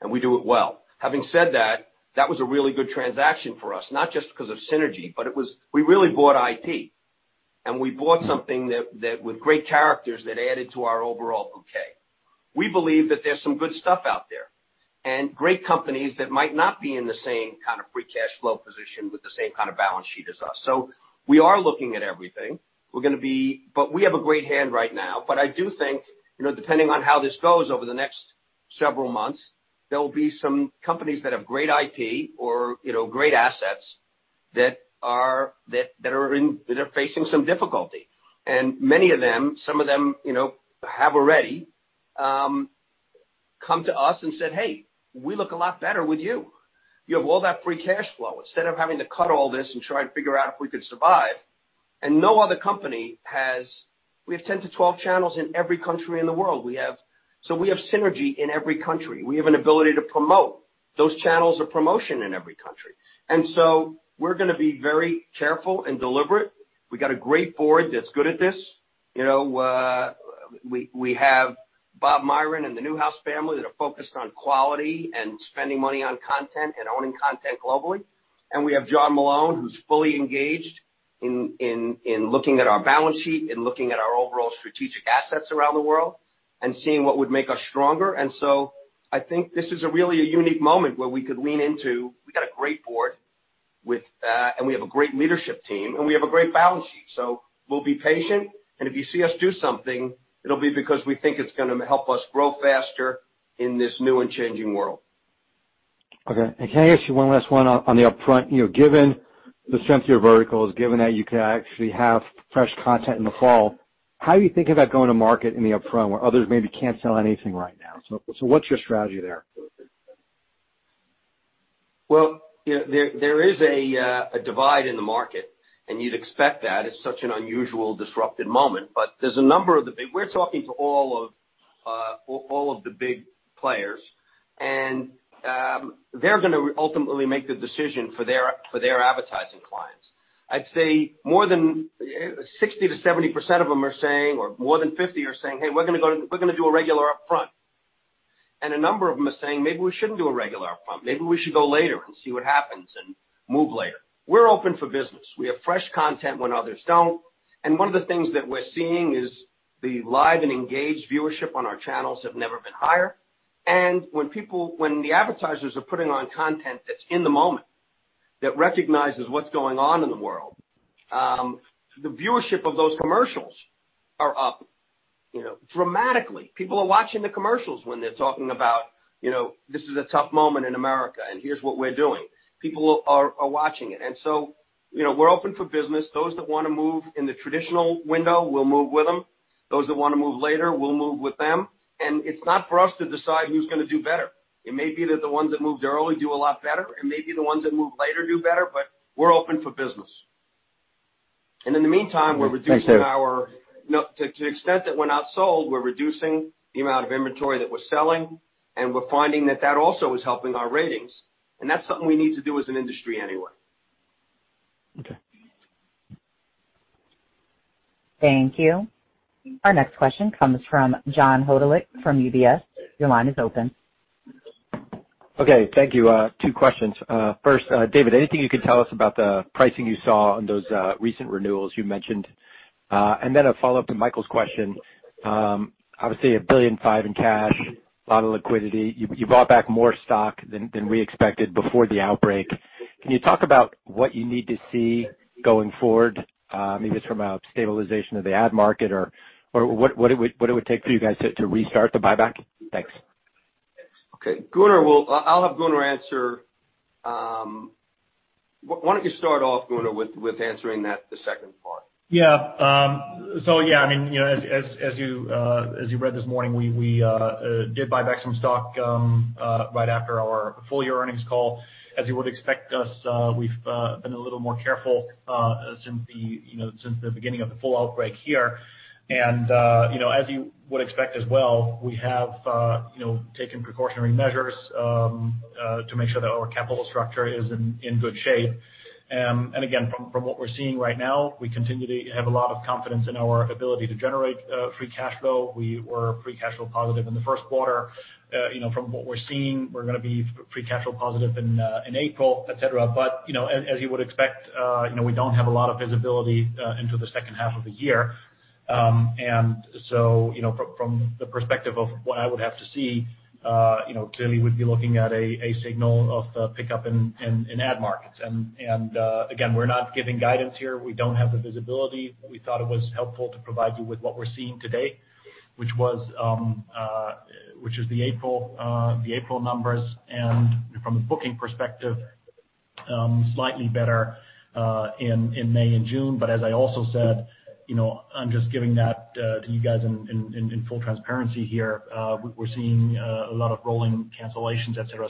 and we do it well. Having said that was a really good transaction for us, not just because of synergy, but we really bought IP. We bought something with great characters that added to our overall bouquet. We believe that there's some good stuff out there and great companies that might not be in the same kind of free cash flow position with the same kind of balance sheet as us. We are looking at everything. We have a great hand right now. I do think, depending on how this goes over the next several months, there'll be some companies that have great IP or great assets that are facing some difficulty. Many of them, some of them have already come to us and said, "Hey, we look a lot better with you. You have all that free cash flow. Instead of having to cut all this and try and figure out if we could survive." No other company has. We have 10 to 12 channels in every country in the world. We have synergy in every country. We have an ability to promote. Those channels are promotion in every country. We're going to be very careful and deliberate. We've got a great board that's good at this. We have Bob Miron and the Newhouse family that are focused on quality and spending money on content and owning content globally. We have John Malone, who's fully engaged in looking at our balance sheet and looking at our overall strategic assets around the world and seeing what would make us stronger. I think this is a really a unique moment where we could lean into, we've got a great board, and we have a great leadership team, and we have a great balance sheet. We'll be patient, and if you see us do something, it'll be because we think it's going to help us grow faster in this new and changing world. Okay. Can I ask you one last one on the upfront? Given the strength of your verticals, given that you can actually have fresh content in the fall, how are you thinking about going to market in the upfront where others maybe can't sell anything right now? What's your strategy there? Well, there is a divide in the market, and you'd expect that. It's such an unusual, disrupted moment. We're talking to all of the big players, and they're going to ultimately make the decision for their advertising clients. I'd say more than 60%-70% of them are saying, or more than 50% are saying, "Hey, we're going to do a regular upfront." A number of them are saying, "Maybe we shouldn't do a regular upfront. Maybe we should go later and see what happens and move later." We're open for business. We have fresh content when others don't, and one of the things that we're seeing is the live and engaged viewership on our channels have never been higher. When the advertisers are putting on content that's in the moment, that recognizes what's going on in the world, the viewership of those commercials are up dramatically. People are watching the commercials when they're talking about, this is a tough moment in America, and here's what we're doing. People are watching it. We're open for business. Those that want to move in the traditional window, we'll move with them. Those that want to move later, we'll move with them. It's not for us to decide who's going to do better. It may be that the ones that moved early do a lot better, and maybe the ones that move later do better, but we're open for business. In the meantime. Thanks, David. To the extent that we're not sold, we're reducing the amount of inventory that we're selling, and we're finding that that also is helping our ratings, and that's something we need to do as an industry anyway. Thank you. Our next question comes from John Hodulik from UBS. Your line is open. Okay. Thank you. Two questions. First, David, anything you can tell us about the pricing you saw on those recent renewals you mentioned? A follow-up to Michael's question. Obviously, $1.5 billion in cash, a lot of liquidity. You bought back more stock than we expected before the outbreak. Can you talk about what you need to see going forward, maybe it's from a stabilization of the ad market, or what it would take for you guys to restart the buyback? Thanks. Okay. I'll have Gunnar answer. Why don't you start off, Gunnar, with answering that the second part? Yeah, as you read this morning, we did buy back some stock right after our full year earnings call. As you would expect us, we've been a little more careful since the beginning of the full outbreak here. As you would expect as well, we have taken precautionary measures to make sure that our capital structure is in good shape. Again, from what we're seeing right now, we continue to have a lot of confidence in our ability to generate free cash flow. We were free cash flow positive in the first quarter. From what we're seeing, we're going to be free cash flow positive in April, et cetera. As you would expect, we don't have a lot of visibility into the second half of the year. From the perspective of what I would have to see, clearly would be looking at a signal of the pickup in ad markets. Again, we're not giving guidance here. We don't have the visibility. We thought it was helpful to provide you with what we're seeing today, which is the April numbers and, from a booking perspective, slightly better in May and June. As I also said, I'm just giving that to you guys in full transparency here. We're seeing a lot of rolling cancellations, et cetera.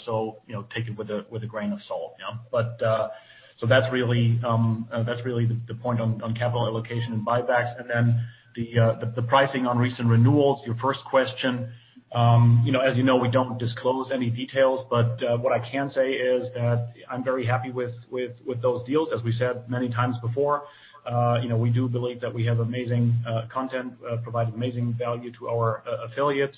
Take it with a grain of salt. That's really the point on capital allocation and buybacks. The pricing on recent renewals, your first question. As you know, we don't disclose any details, but what I can say is that I'm very happy with those deals. As we said many times before, we do believe that we have amazing content, provide amazing value to our affiliates.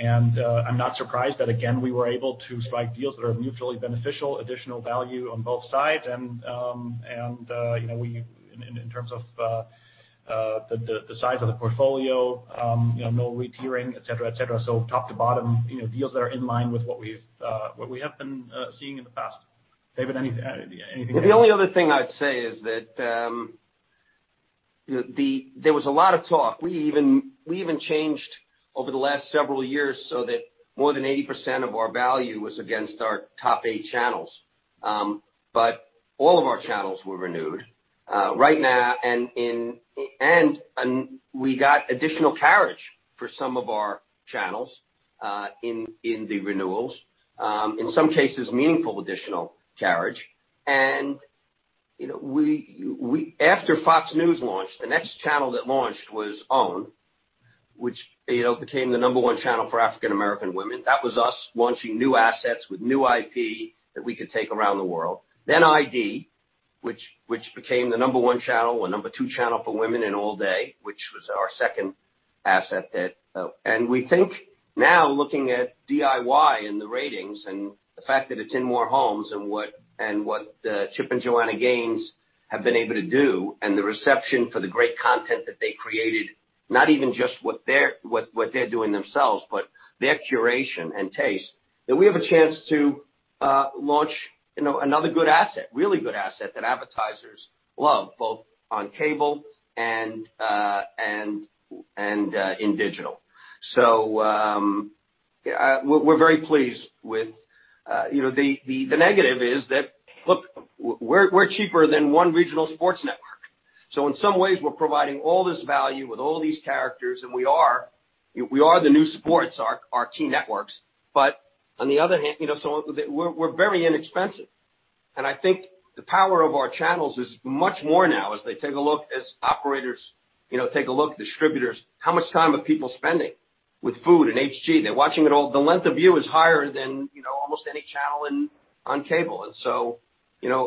I'm not surprised that, again, we were able to strike deals that are mutually beneficial, additional value on both sides. In terms of the size of the portfolio, no re-tiering, et cetera. Top to bottom deals that are in line with what we have been seeing in the past. David, anything to add? The only other thing I'd say is that there was a lot of talk. We even changed over the last several years so that more than 80% of our value was against our top eight channels. All of our channels were renewed. Right now, we got additional carriage for some of our channels in the renewals. In some cases, meaningful additional carriage. After Fox News launched, the next channel that launched was OWN, which became the number one channel for African American women. That was us launching new assets with new IP that we could take around the world. ID, which became the number one channel or number two channel for women in all day, which was our second asset. We think now looking at DIY and the ratings and the fact that it's in more homes and what Chip and Joanna Gaines have been able to do and the reception for the great content that they created, not even just what they're doing themselves, but their curation and taste, that we have a chance to launch another good asset, really good asset that advertisers love, both on cable and in digital. We're very pleased. The negative is that, look, we're cheaper than one regional sports network. In some ways, we're providing all this value with all these characters, and we are the new sports, our team networks. On the other hand, we're very inexpensive. I think the power of our channels is much more now as they take a look, as operators take a look, distributors, how much time are people spending with Food and HG? They're watching it all. The length of view is higher than almost any channel on cable.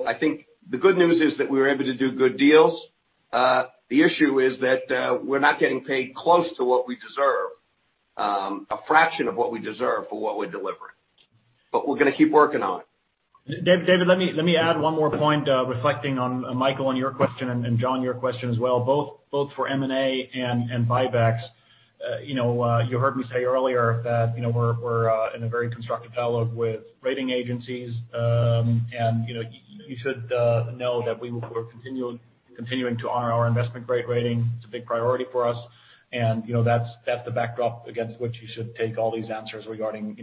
I think the good news is that we were able to do good deals. The issue is that we're not getting paid close to what we deserve, a fraction of what we deserve for what we're delivering. We're going to keep working on it. David, let me add one more point, reflecting on Michael, on your question, and John, your question as well, both for M&A and buybacks. You heard me say earlier that we're in a very constructive dialogue with rating agencies. You should know that we're continuing to honor our investment-grade rating. It's a big priority for us. That's the backdrop against which you should take all these answers regarding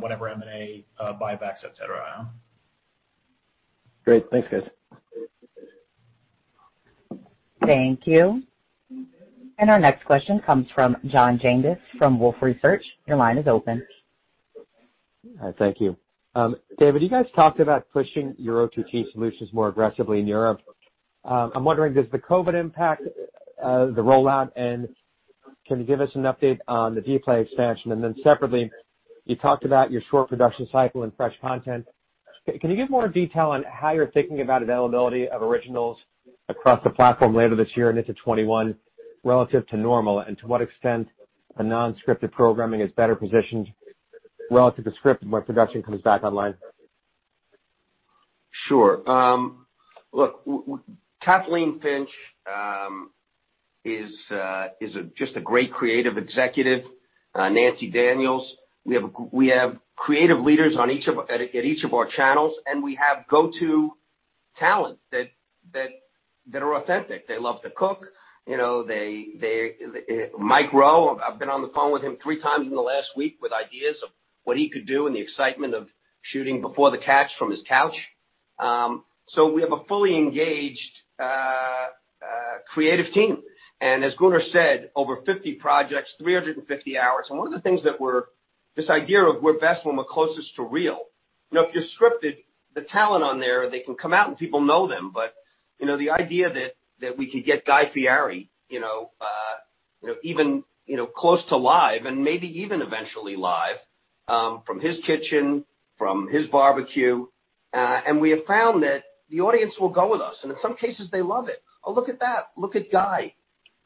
whatever M&A, buybacks, et cetera. Great. Thanks, guys. Thank you. Our next question comes from John Janedis from Wolfe Research. Your line is open. Thank you. David, you guys talked about pushing your OTT solutions more aggressively in Europe. I'm wondering, does the COVID-19 impact the rollout, and can you give us an update on the Dplay expansion? Separately, you talked about your short production cycle and fresh content. Can you give more detail on how you're thinking about availability of originals across the platform later this year and into 2021 relative to normal, and to what extent a non-scripted programming is better positioned relative to scripted when production comes back online? Sure. Look, Kathleen Finch is just a great creative executive. Nancy Daniels. We have creative leaders at each of our channels, and we have go-to talent that are authentic. They love to cook. Mike Rowe, I've been on the phone with him 3x in the last week with ideas of what he could do and the excitement of shooting Before The Catch from his couch. We have a fully engaged creative team. As Gunnar said, over 50 projects, 350 hours. One of the things that This idea of we're best when we're closest to real. If you're scripted, the talent on there, they can come out and people know them, but the idea that we could get Guy Fieri even close to live and maybe even eventually live, from his kitchen, from his barbecue. We have found that the audience will go with us, and in some cases, they love it. "Oh, look at that. Look at Guy.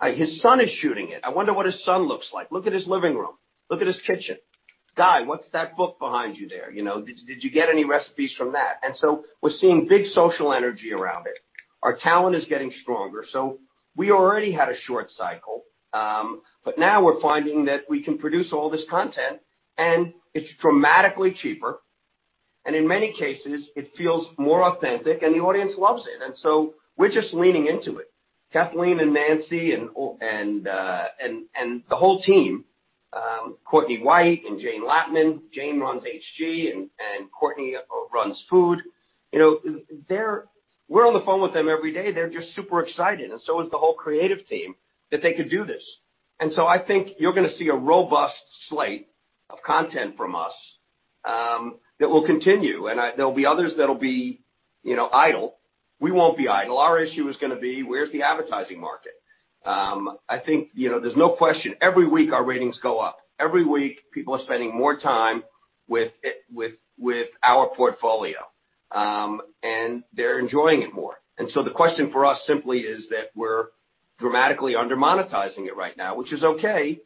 His son is shooting it. I wonder what his son looks like. Look at his living room. Look at his kitchen. Guy, what's that book behind you there? Did you get any recipes from that?" We're seeing big social energy around it. Our talent is getting stronger. We already had a short cycle, but now we're finding that we can produce all this content, and it's dramatically cheaper. In many cases, it feels more authentic, and the audience loves it. We're just leaning into it. Kathleen and Nancy and the whole team, Courtney White and Jane Latman. Jane runs HG and Courtney runs Food. We're on the phone with them every day. They're just super excited, and so is the whole creative team that they could do this. I think you're going to see a robust slate of content from us that will continue, and there'll be others that'll be idle. We won't be idle. Our issue is going to be where's the advertising market? I think there's no question. Every week our ratings go up. Every week, people are spending more time with our portfolio, and they're enjoying it more. The question for us simply is that we're dramatically under-monetizing it right now, which is okay,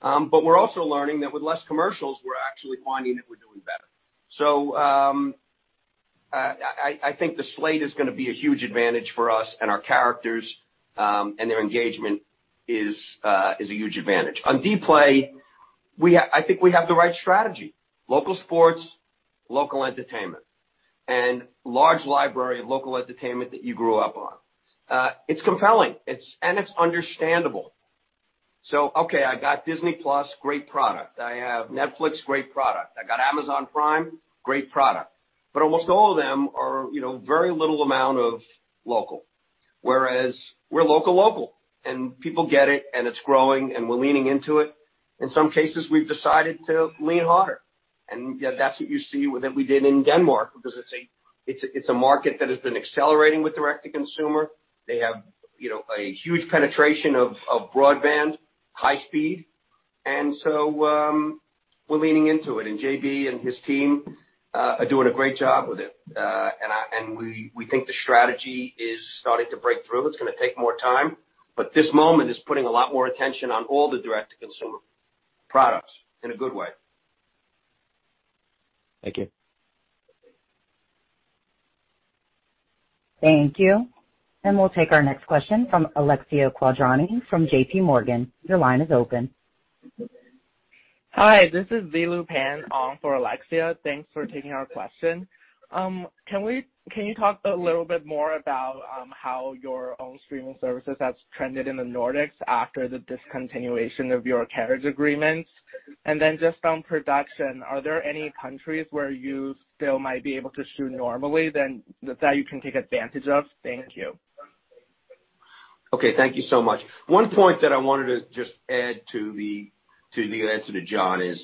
but we're also learning that with less commercials, we're actually finding that we're doing better. I think the slate is going to be a huge advantage for us, and our characters, and their engagement is a huge advantage. On Dplay, I think we have the right strategy. Local sports, local entertainment, and large library of local entertainment that you grew up on. It's compelling, and it's understandable. Okay, I got Disney+, great product. I have Netflix, great product. I got Amazon Prime, great product. Almost all of them are very little amount of local. Whereas we're local, and people get it, and it's growing, and we're leaning into it. In some cases, we've decided to lean harder, and that's what you see that we did in Denmark because it's a market that has been accelerating with direct-to-consumer. They have a huge penetration of broadband, high speed. We're leaning into it, and JB and his team are doing a great job with it. We think the strategy is starting to break through. It's going to take more time. This moment is putting a lot more attention on all the direct-to-consumer products in a good way. Thank you. Thank you. We'll take our next question from Alexia Quadrani from JPMorgan. Your line is open. Hi, this is Zilu Pan on for Alexia. Thanks for taking our question. Can you talk a little bit more about how your own streaming services has trended in the Nordics after the discontinuation of your carriage agreements? Then just on production, are there any countries where you still might be able to shoot normally that you can take advantage of? Thank you. Okay. Thank you so much. One point that I wanted to just add to the answer to John is,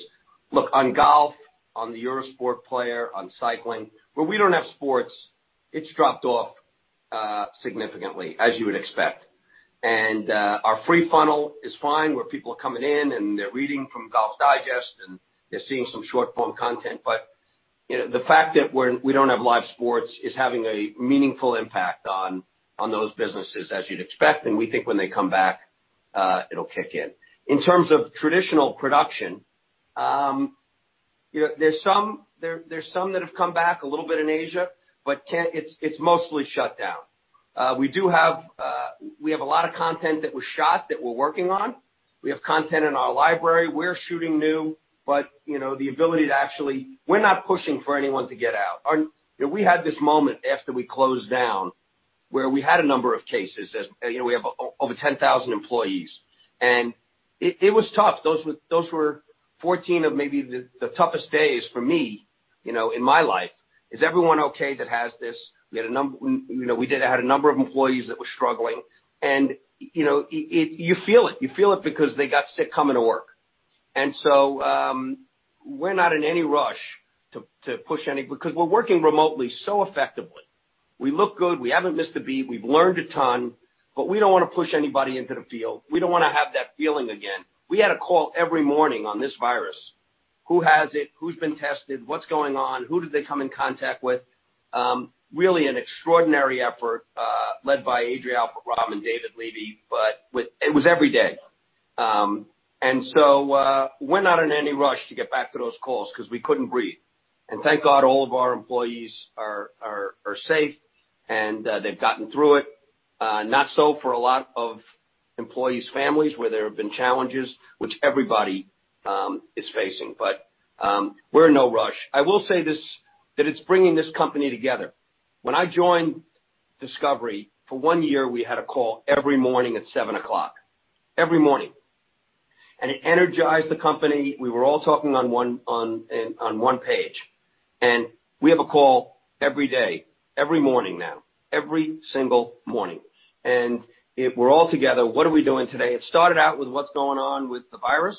look, on golf, on the Eurosport Player, on cycling, where we don't have sports, it's dropped off significantly as you would expect. Our free funnel is fine, where people are coming in and they're reading from Golf Digest, and they're seeing some short-form content. The fact that we don't have live sports is having a meaningful impact on those businesses as you'd expect. We think when they come back, it'll kick in. In terms of traditional production, there's some that have come back a little bit in Asia, but it's mostly shut down. We have a lot of content that was shot that we're working on. We have content in our library. We're shooting new, but we're not pushing for anyone to get out. We had this moment after we closed down where we had a number of cases as we have over 10,000 employees. It was tough. Those were 14 of maybe the toughest days for me in my life. Is everyone okay that has this? We had a number of employees that were struggling. You feel it. You feel it because they got sick coming to work. We're not in any rush to push any because we're working remotely so effectively. We look good. We haven't missed a beat. We've learned a ton. We don't want to push anybody into the field. We don't want to have that feeling again. We had a call every morning on this virus. Who has it? Who's been tested? What's going on? Who did they come in contact with? Really an extraordinary effort led by Adria Alpert Romm and David Leavy. It was every day. We're not in any rush to get back to those calls because we couldn't breathe. Thank God all of our employees are safe, and they've gotten through it. Not so for a lot of employees' families, where there have been challenges which everybody is facing. We're in no rush. I will say this, that it's bringing this company together. When I joined Discovery, for one year, we had a call every morning at 7:00 A.M. Every morning. It energized the company. We were all talking on one page, and we have a call every day, every morning now. Every single morning. We're all together. What are we doing today? It started out with what's going on with the virus,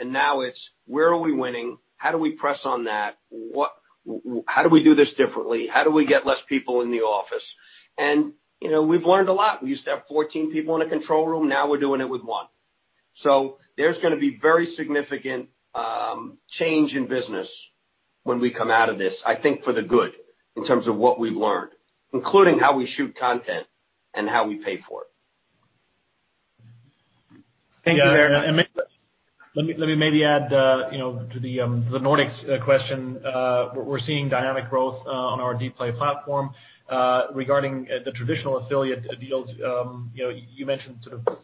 and now it's where are we winning? How do we press on that? How do we do this differently? How do we get less people in the office? We've learned a lot. We used to have 14 people in a control room. Now we're doing it with one. There's going to be very significant change in business when we come out of this, I think, for the good in terms of what we've learned, including how we shoot content and how we pay for it. Let me maybe add to the Nordics question. We're seeing dynamic growth on our Dplay platform. Regarding the traditional affiliate deals, you mentioned sort of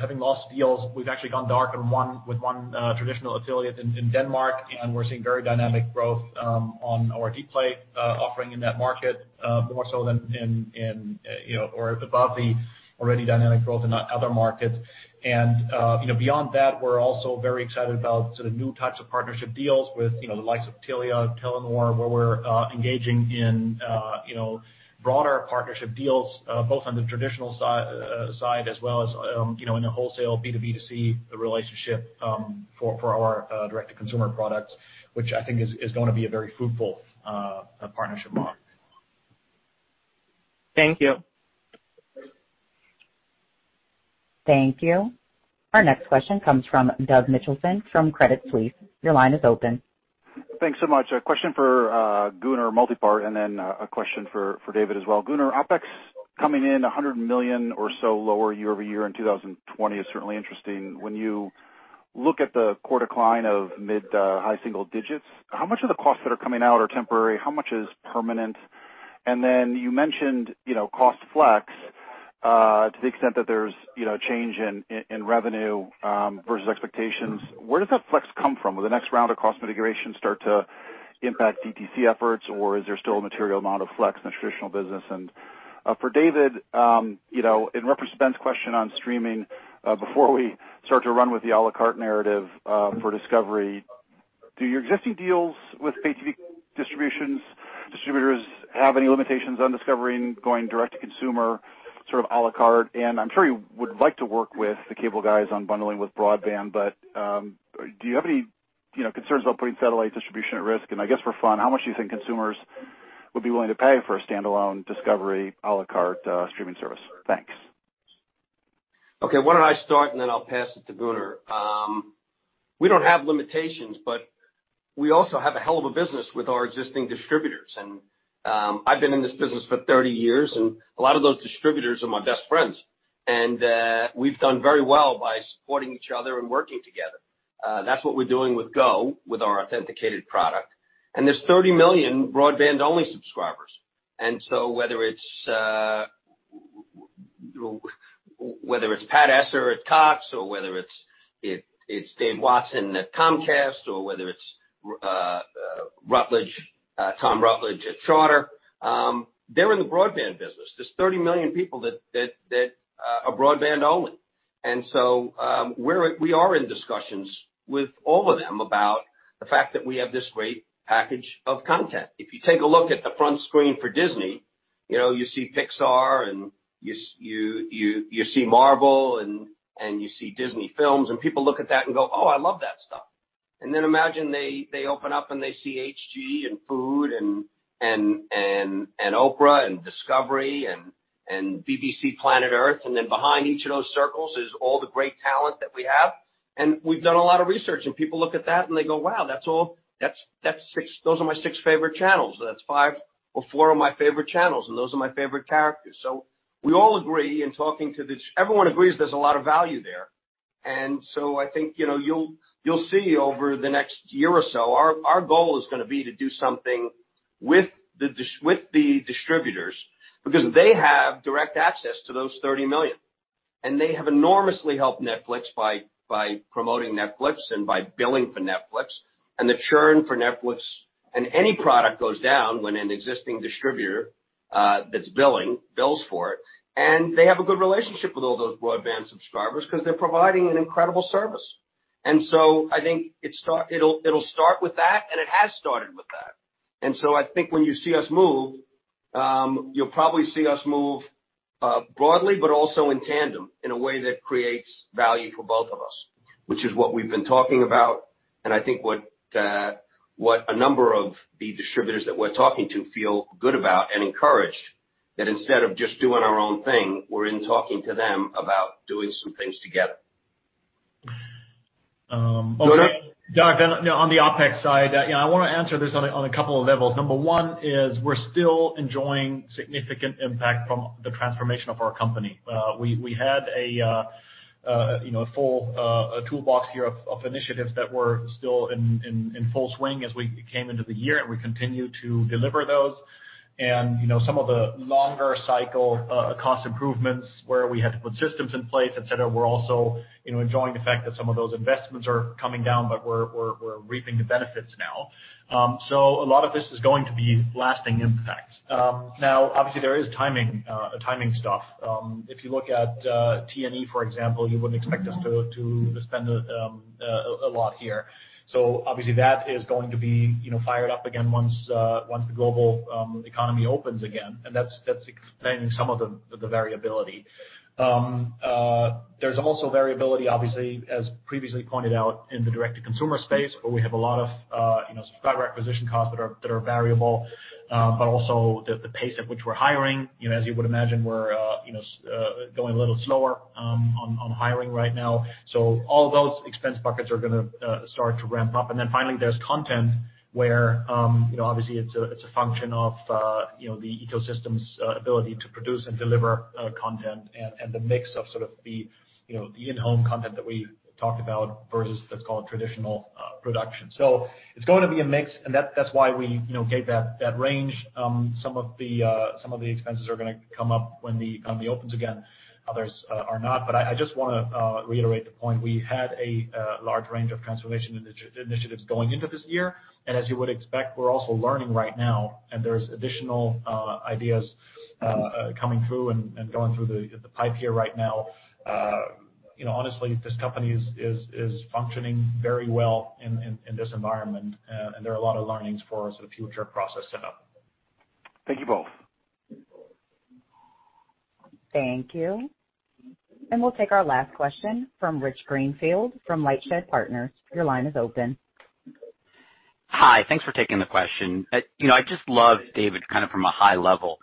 having lost deals. We've actually gone dark with one traditional affiliate in Denmark, and we're seeing very dynamic growth on our Dplay offering in that market more so than in or above the already dynamic growth in other markets. Beyond that, we're also very excited about sort of new types of partnership deals with the likes of Telia, Telenor, where we're engaging in broader partnership deals both on the traditional side as well as in the wholesale B2B2C relationship for our direct-to-consumer products, which I think is going to be a very fruitful partnership model. Thank you. Thank you. Our next question comes from Doug Mitchelson from Credit Suisse. Your line is open. Thanks so much. A question for Gunnar, multi-part, then a question for David as well. Gunnar, OpEx coming in $100 million or so lower year-over-year in 2020 is certainly interesting. When you look at the core decline of mid-high single digits, how much of the costs that are coming out are temporary? How much is permanent? Then you mentioned cost flex to the extent that there's change in revenue versus expectations. Where does that flex come from? Will the next round of cost mitigation start to impact DTC efforts, or is there still a material amount of flex in the traditional business? For David, it represents question on streaming. Before we start to run with the a la carte narrative for Discovery, do your existing deals with pay TV distributors have any limitations on Discovery going direct to consumer, sort of a la carte? I'm sure you would like to work with the cable guys on bundling with broadband, but do you have any concerns about putting satellite distribution at risk? I guess, for fun, how much do you think consumers would be willing to pay for a standalone Discovery a la carte streaming service? Thanks. Okay. Why don't I start, then I'll pass it to Gunnar. We don't have limitations, we also have a hell of a business with our existing distributors. I've been in this business for 30 years, a lot of those distributors are my best friends. We've done very well by supporting each other and working together. That's what we're doing with GO, with our authenticated product. There's 30 million broadband-only subscribers. Whether it's Pat Esser at Cox, or whether it's Dave Watson at Comcast, or whether it's Tom Rutledge at Charter, they're in the broadband business. There's 30 million people that are broadband only. We are in discussions with all of them about the fact that we have this great package of content. If you take a look at the front screen for Disney, you see Pixar and you see Marvel and you see Disney Films. People look at that and go, "Oh, I love that stuff." Imagine they open up and they see HG and Food and Oprah and Discovery and BBC Planet Earth. Behind each of those circles is all the great talent that we have. We've done a lot of research, and people look at that and they go, "Wow, those are my six favorite channels." That's five or four of my favorite channels, and those are my favorite characters. Everyone agrees there's a lot of value there. I think you'll see over the next year or so, our goal is going to be to do something with the distributors because they have direct access to those 30 million. They have enormously helped Netflix by promoting Netflix and by billing for Netflix. The churn for Netflix and any product goes down when an existing distributor that's billing, bills for it. They have a good relationship with all those broadband subscribers because they're providing an incredible service. I think it'll start with that, and it has started with that. I think when you see us move, you'll probably see us move broadly, but also in tandem in a way that creates value for both of us, which is what we've been talking about and I think what a number of the distributors that we're talking to feel good about and encouraged. That instead of just doing our own thing, we're in talking to them about doing some things together. Gunnar? On the OpEx side, I want to answer this on a couple of levels. Number one is we're still enjoying significant impact from the transformation of our company. We had a full toolbox here of initiatives that were still in full swing as we came into the year, and we continue to deliver those. Some of the longer cycle cost improvements where we had to put systems in place, et cetera, we're also enjoying the fact that some of those investments are coming down, but we're reaping the benefits now. A lot of this is going to be lasting impact. Obviously, there is timing stuff. If you look at T&E, for example, you wouldn't expect us to spend a lot here. Obviously that is going to be fired up again once the global economy opens again, and that's explaining some of the variability. There's also variability, obviously, as previously pointed out in the direct-to-consumer space, where we have a lot of subscriber acquisition costs that are variable. Also the pace at which we're hiring. As you would imagine, we're going a little slower on hiring right now. All those expense buckets are going to start to ramp up. Finally, there's content where obviously it's a function of the ecosystem's ability to produce and deliver content and the mix of sort of the in-home content that we talked about versus let's call it traditional production. It's going to be a mix, and that's why we gave that range. Some of the expenses are going to come up when the economy opens again, others are not. I just want to reiterate the point. We had a large range of transformation initiatives going into this year. As you would expect, we're also learning right now and there's additional ideas coming through and going through the pipe here right now. Honestly, this company is functioning very well in this environment. There are a lot of learnings for us for future process setup. Thank you both. Thank you. We'll take our last question from Rich Greenfield from LightShed Partners. Your line is open. Hi. Thanks for taking the question. I just love, David, kind of from a high level,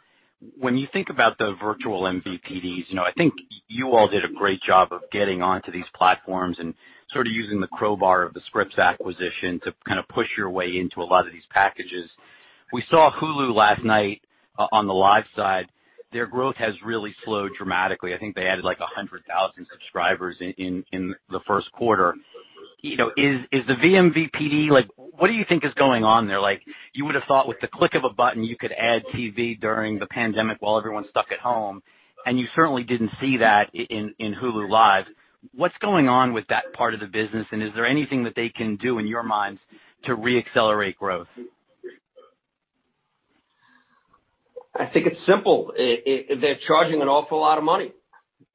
when you think about the virtual MVPDs, I think you all did a great job of getting onto these platforms and sort of using the crowbar of the Scripps acquisition to kind of push your way into a lot of these packages. We saw Hulu last night on the live side. Their growth has really slowed dramatically. I think they added like 100,000 subscribers in the first quarter. Is the vMVPD, what do you think is going on there? You would have thought with the click of a button, you could add TV during the pandemic while everyone's stuck at home, you certainly didn't see that in Hulu + Live TV. What's going on with that part of the business, and is there anything that they can do, in your minds, to re-accelerate growth? I think it's simple. They're charging an awful lot of money.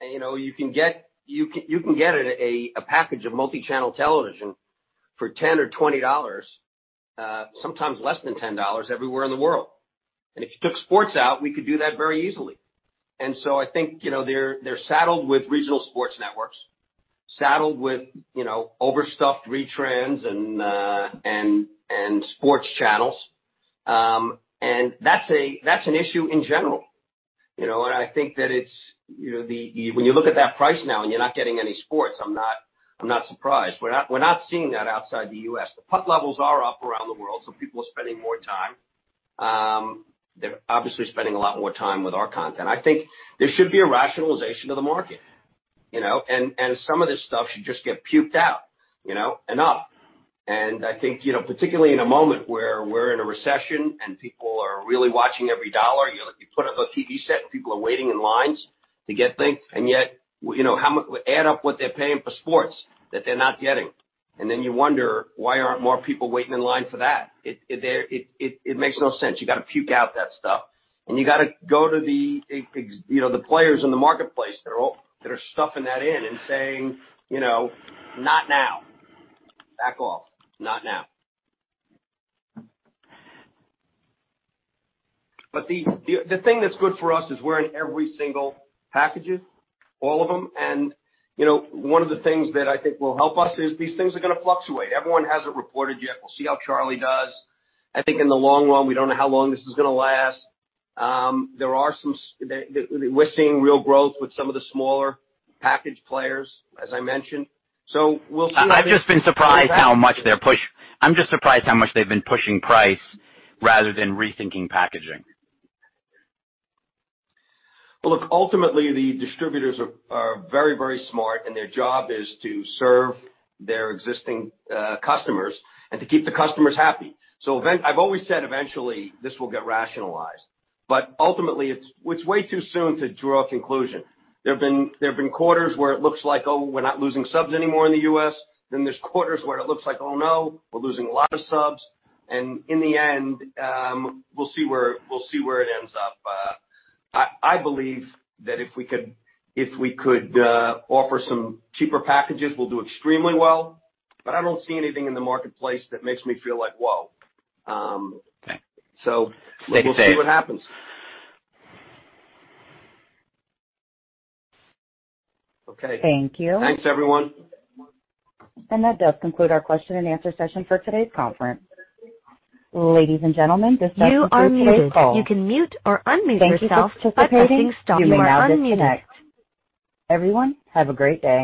You can get a package of multi-channel television for $10 or $20, sometimes less than $10 everywhere in the world. If you took sports out, we could do that very easily. I think, they're saddled with regional sports networks, saddled with overstuffed retrans and sports channels. That's an issue in general. I think that when you look at that price now, and you're not getting any sports, I'm not surprised. We're not seeing that outside the U.S. The PUT levels are up around the world, so people are spending more time. They're obviously spending a lot more time with our content. I think there should be a rationalization of the market, and some of this stuff should just get puked out, and up. I think, particularly in a moment where we're in a recession and people are really watching every dollar, you put up a TV set and people are waiting in lines to get things, and yet, add up what they're paying for sports that they're not getting. Then you wonder, why aren't more people waiting in line for that? It makes no sense. You got to puke out that stuff. You got to go to the players in the marketplace that are stuffing that in and saying, "Not now. Back off. Not now." The thing that's good for us is we're in every single packages, all of them. One of the things that I think will help us is these things are going to fluctuate. Everyone hasn't reported yet. We'll see how Charlie does. I think in the long run, we don't know how long this is going to last. We're seeing real growth with some of the smaller package players, as I mentioned. We'll see what happens. I'm just surprised how much they've been pushing price rather than rethinking packaging. Well, look, ultimately, the distributors are very smart, and their job is to serve their existing customers and to keep the customers happy. I've always said, eventually this will get rationalized. Ultimately, it's way too soon to draw a conclusion. There have been quarters where it looks like, oh, we're not losing subs anymore in the U.S. There's quarters where it looks like, oh, no, we're losing a lot of subs. In the end, we'll see where it ends up. I believe that if we could offer some cheaper packages, we'll do extremely well, but I don't see anything in the marketplace that makes me feel like, whoa. Okay. We'll see what happens. Okay. Thank you. Thanks, everyone. That does conclude our question and answer session for today's conference. Ladies and gentlemen, this does conclude today's call. You are muted. You can mute or unmute yourself by pressing star six. Thank you for participating. You may now disconnect. Everyone, have a great day.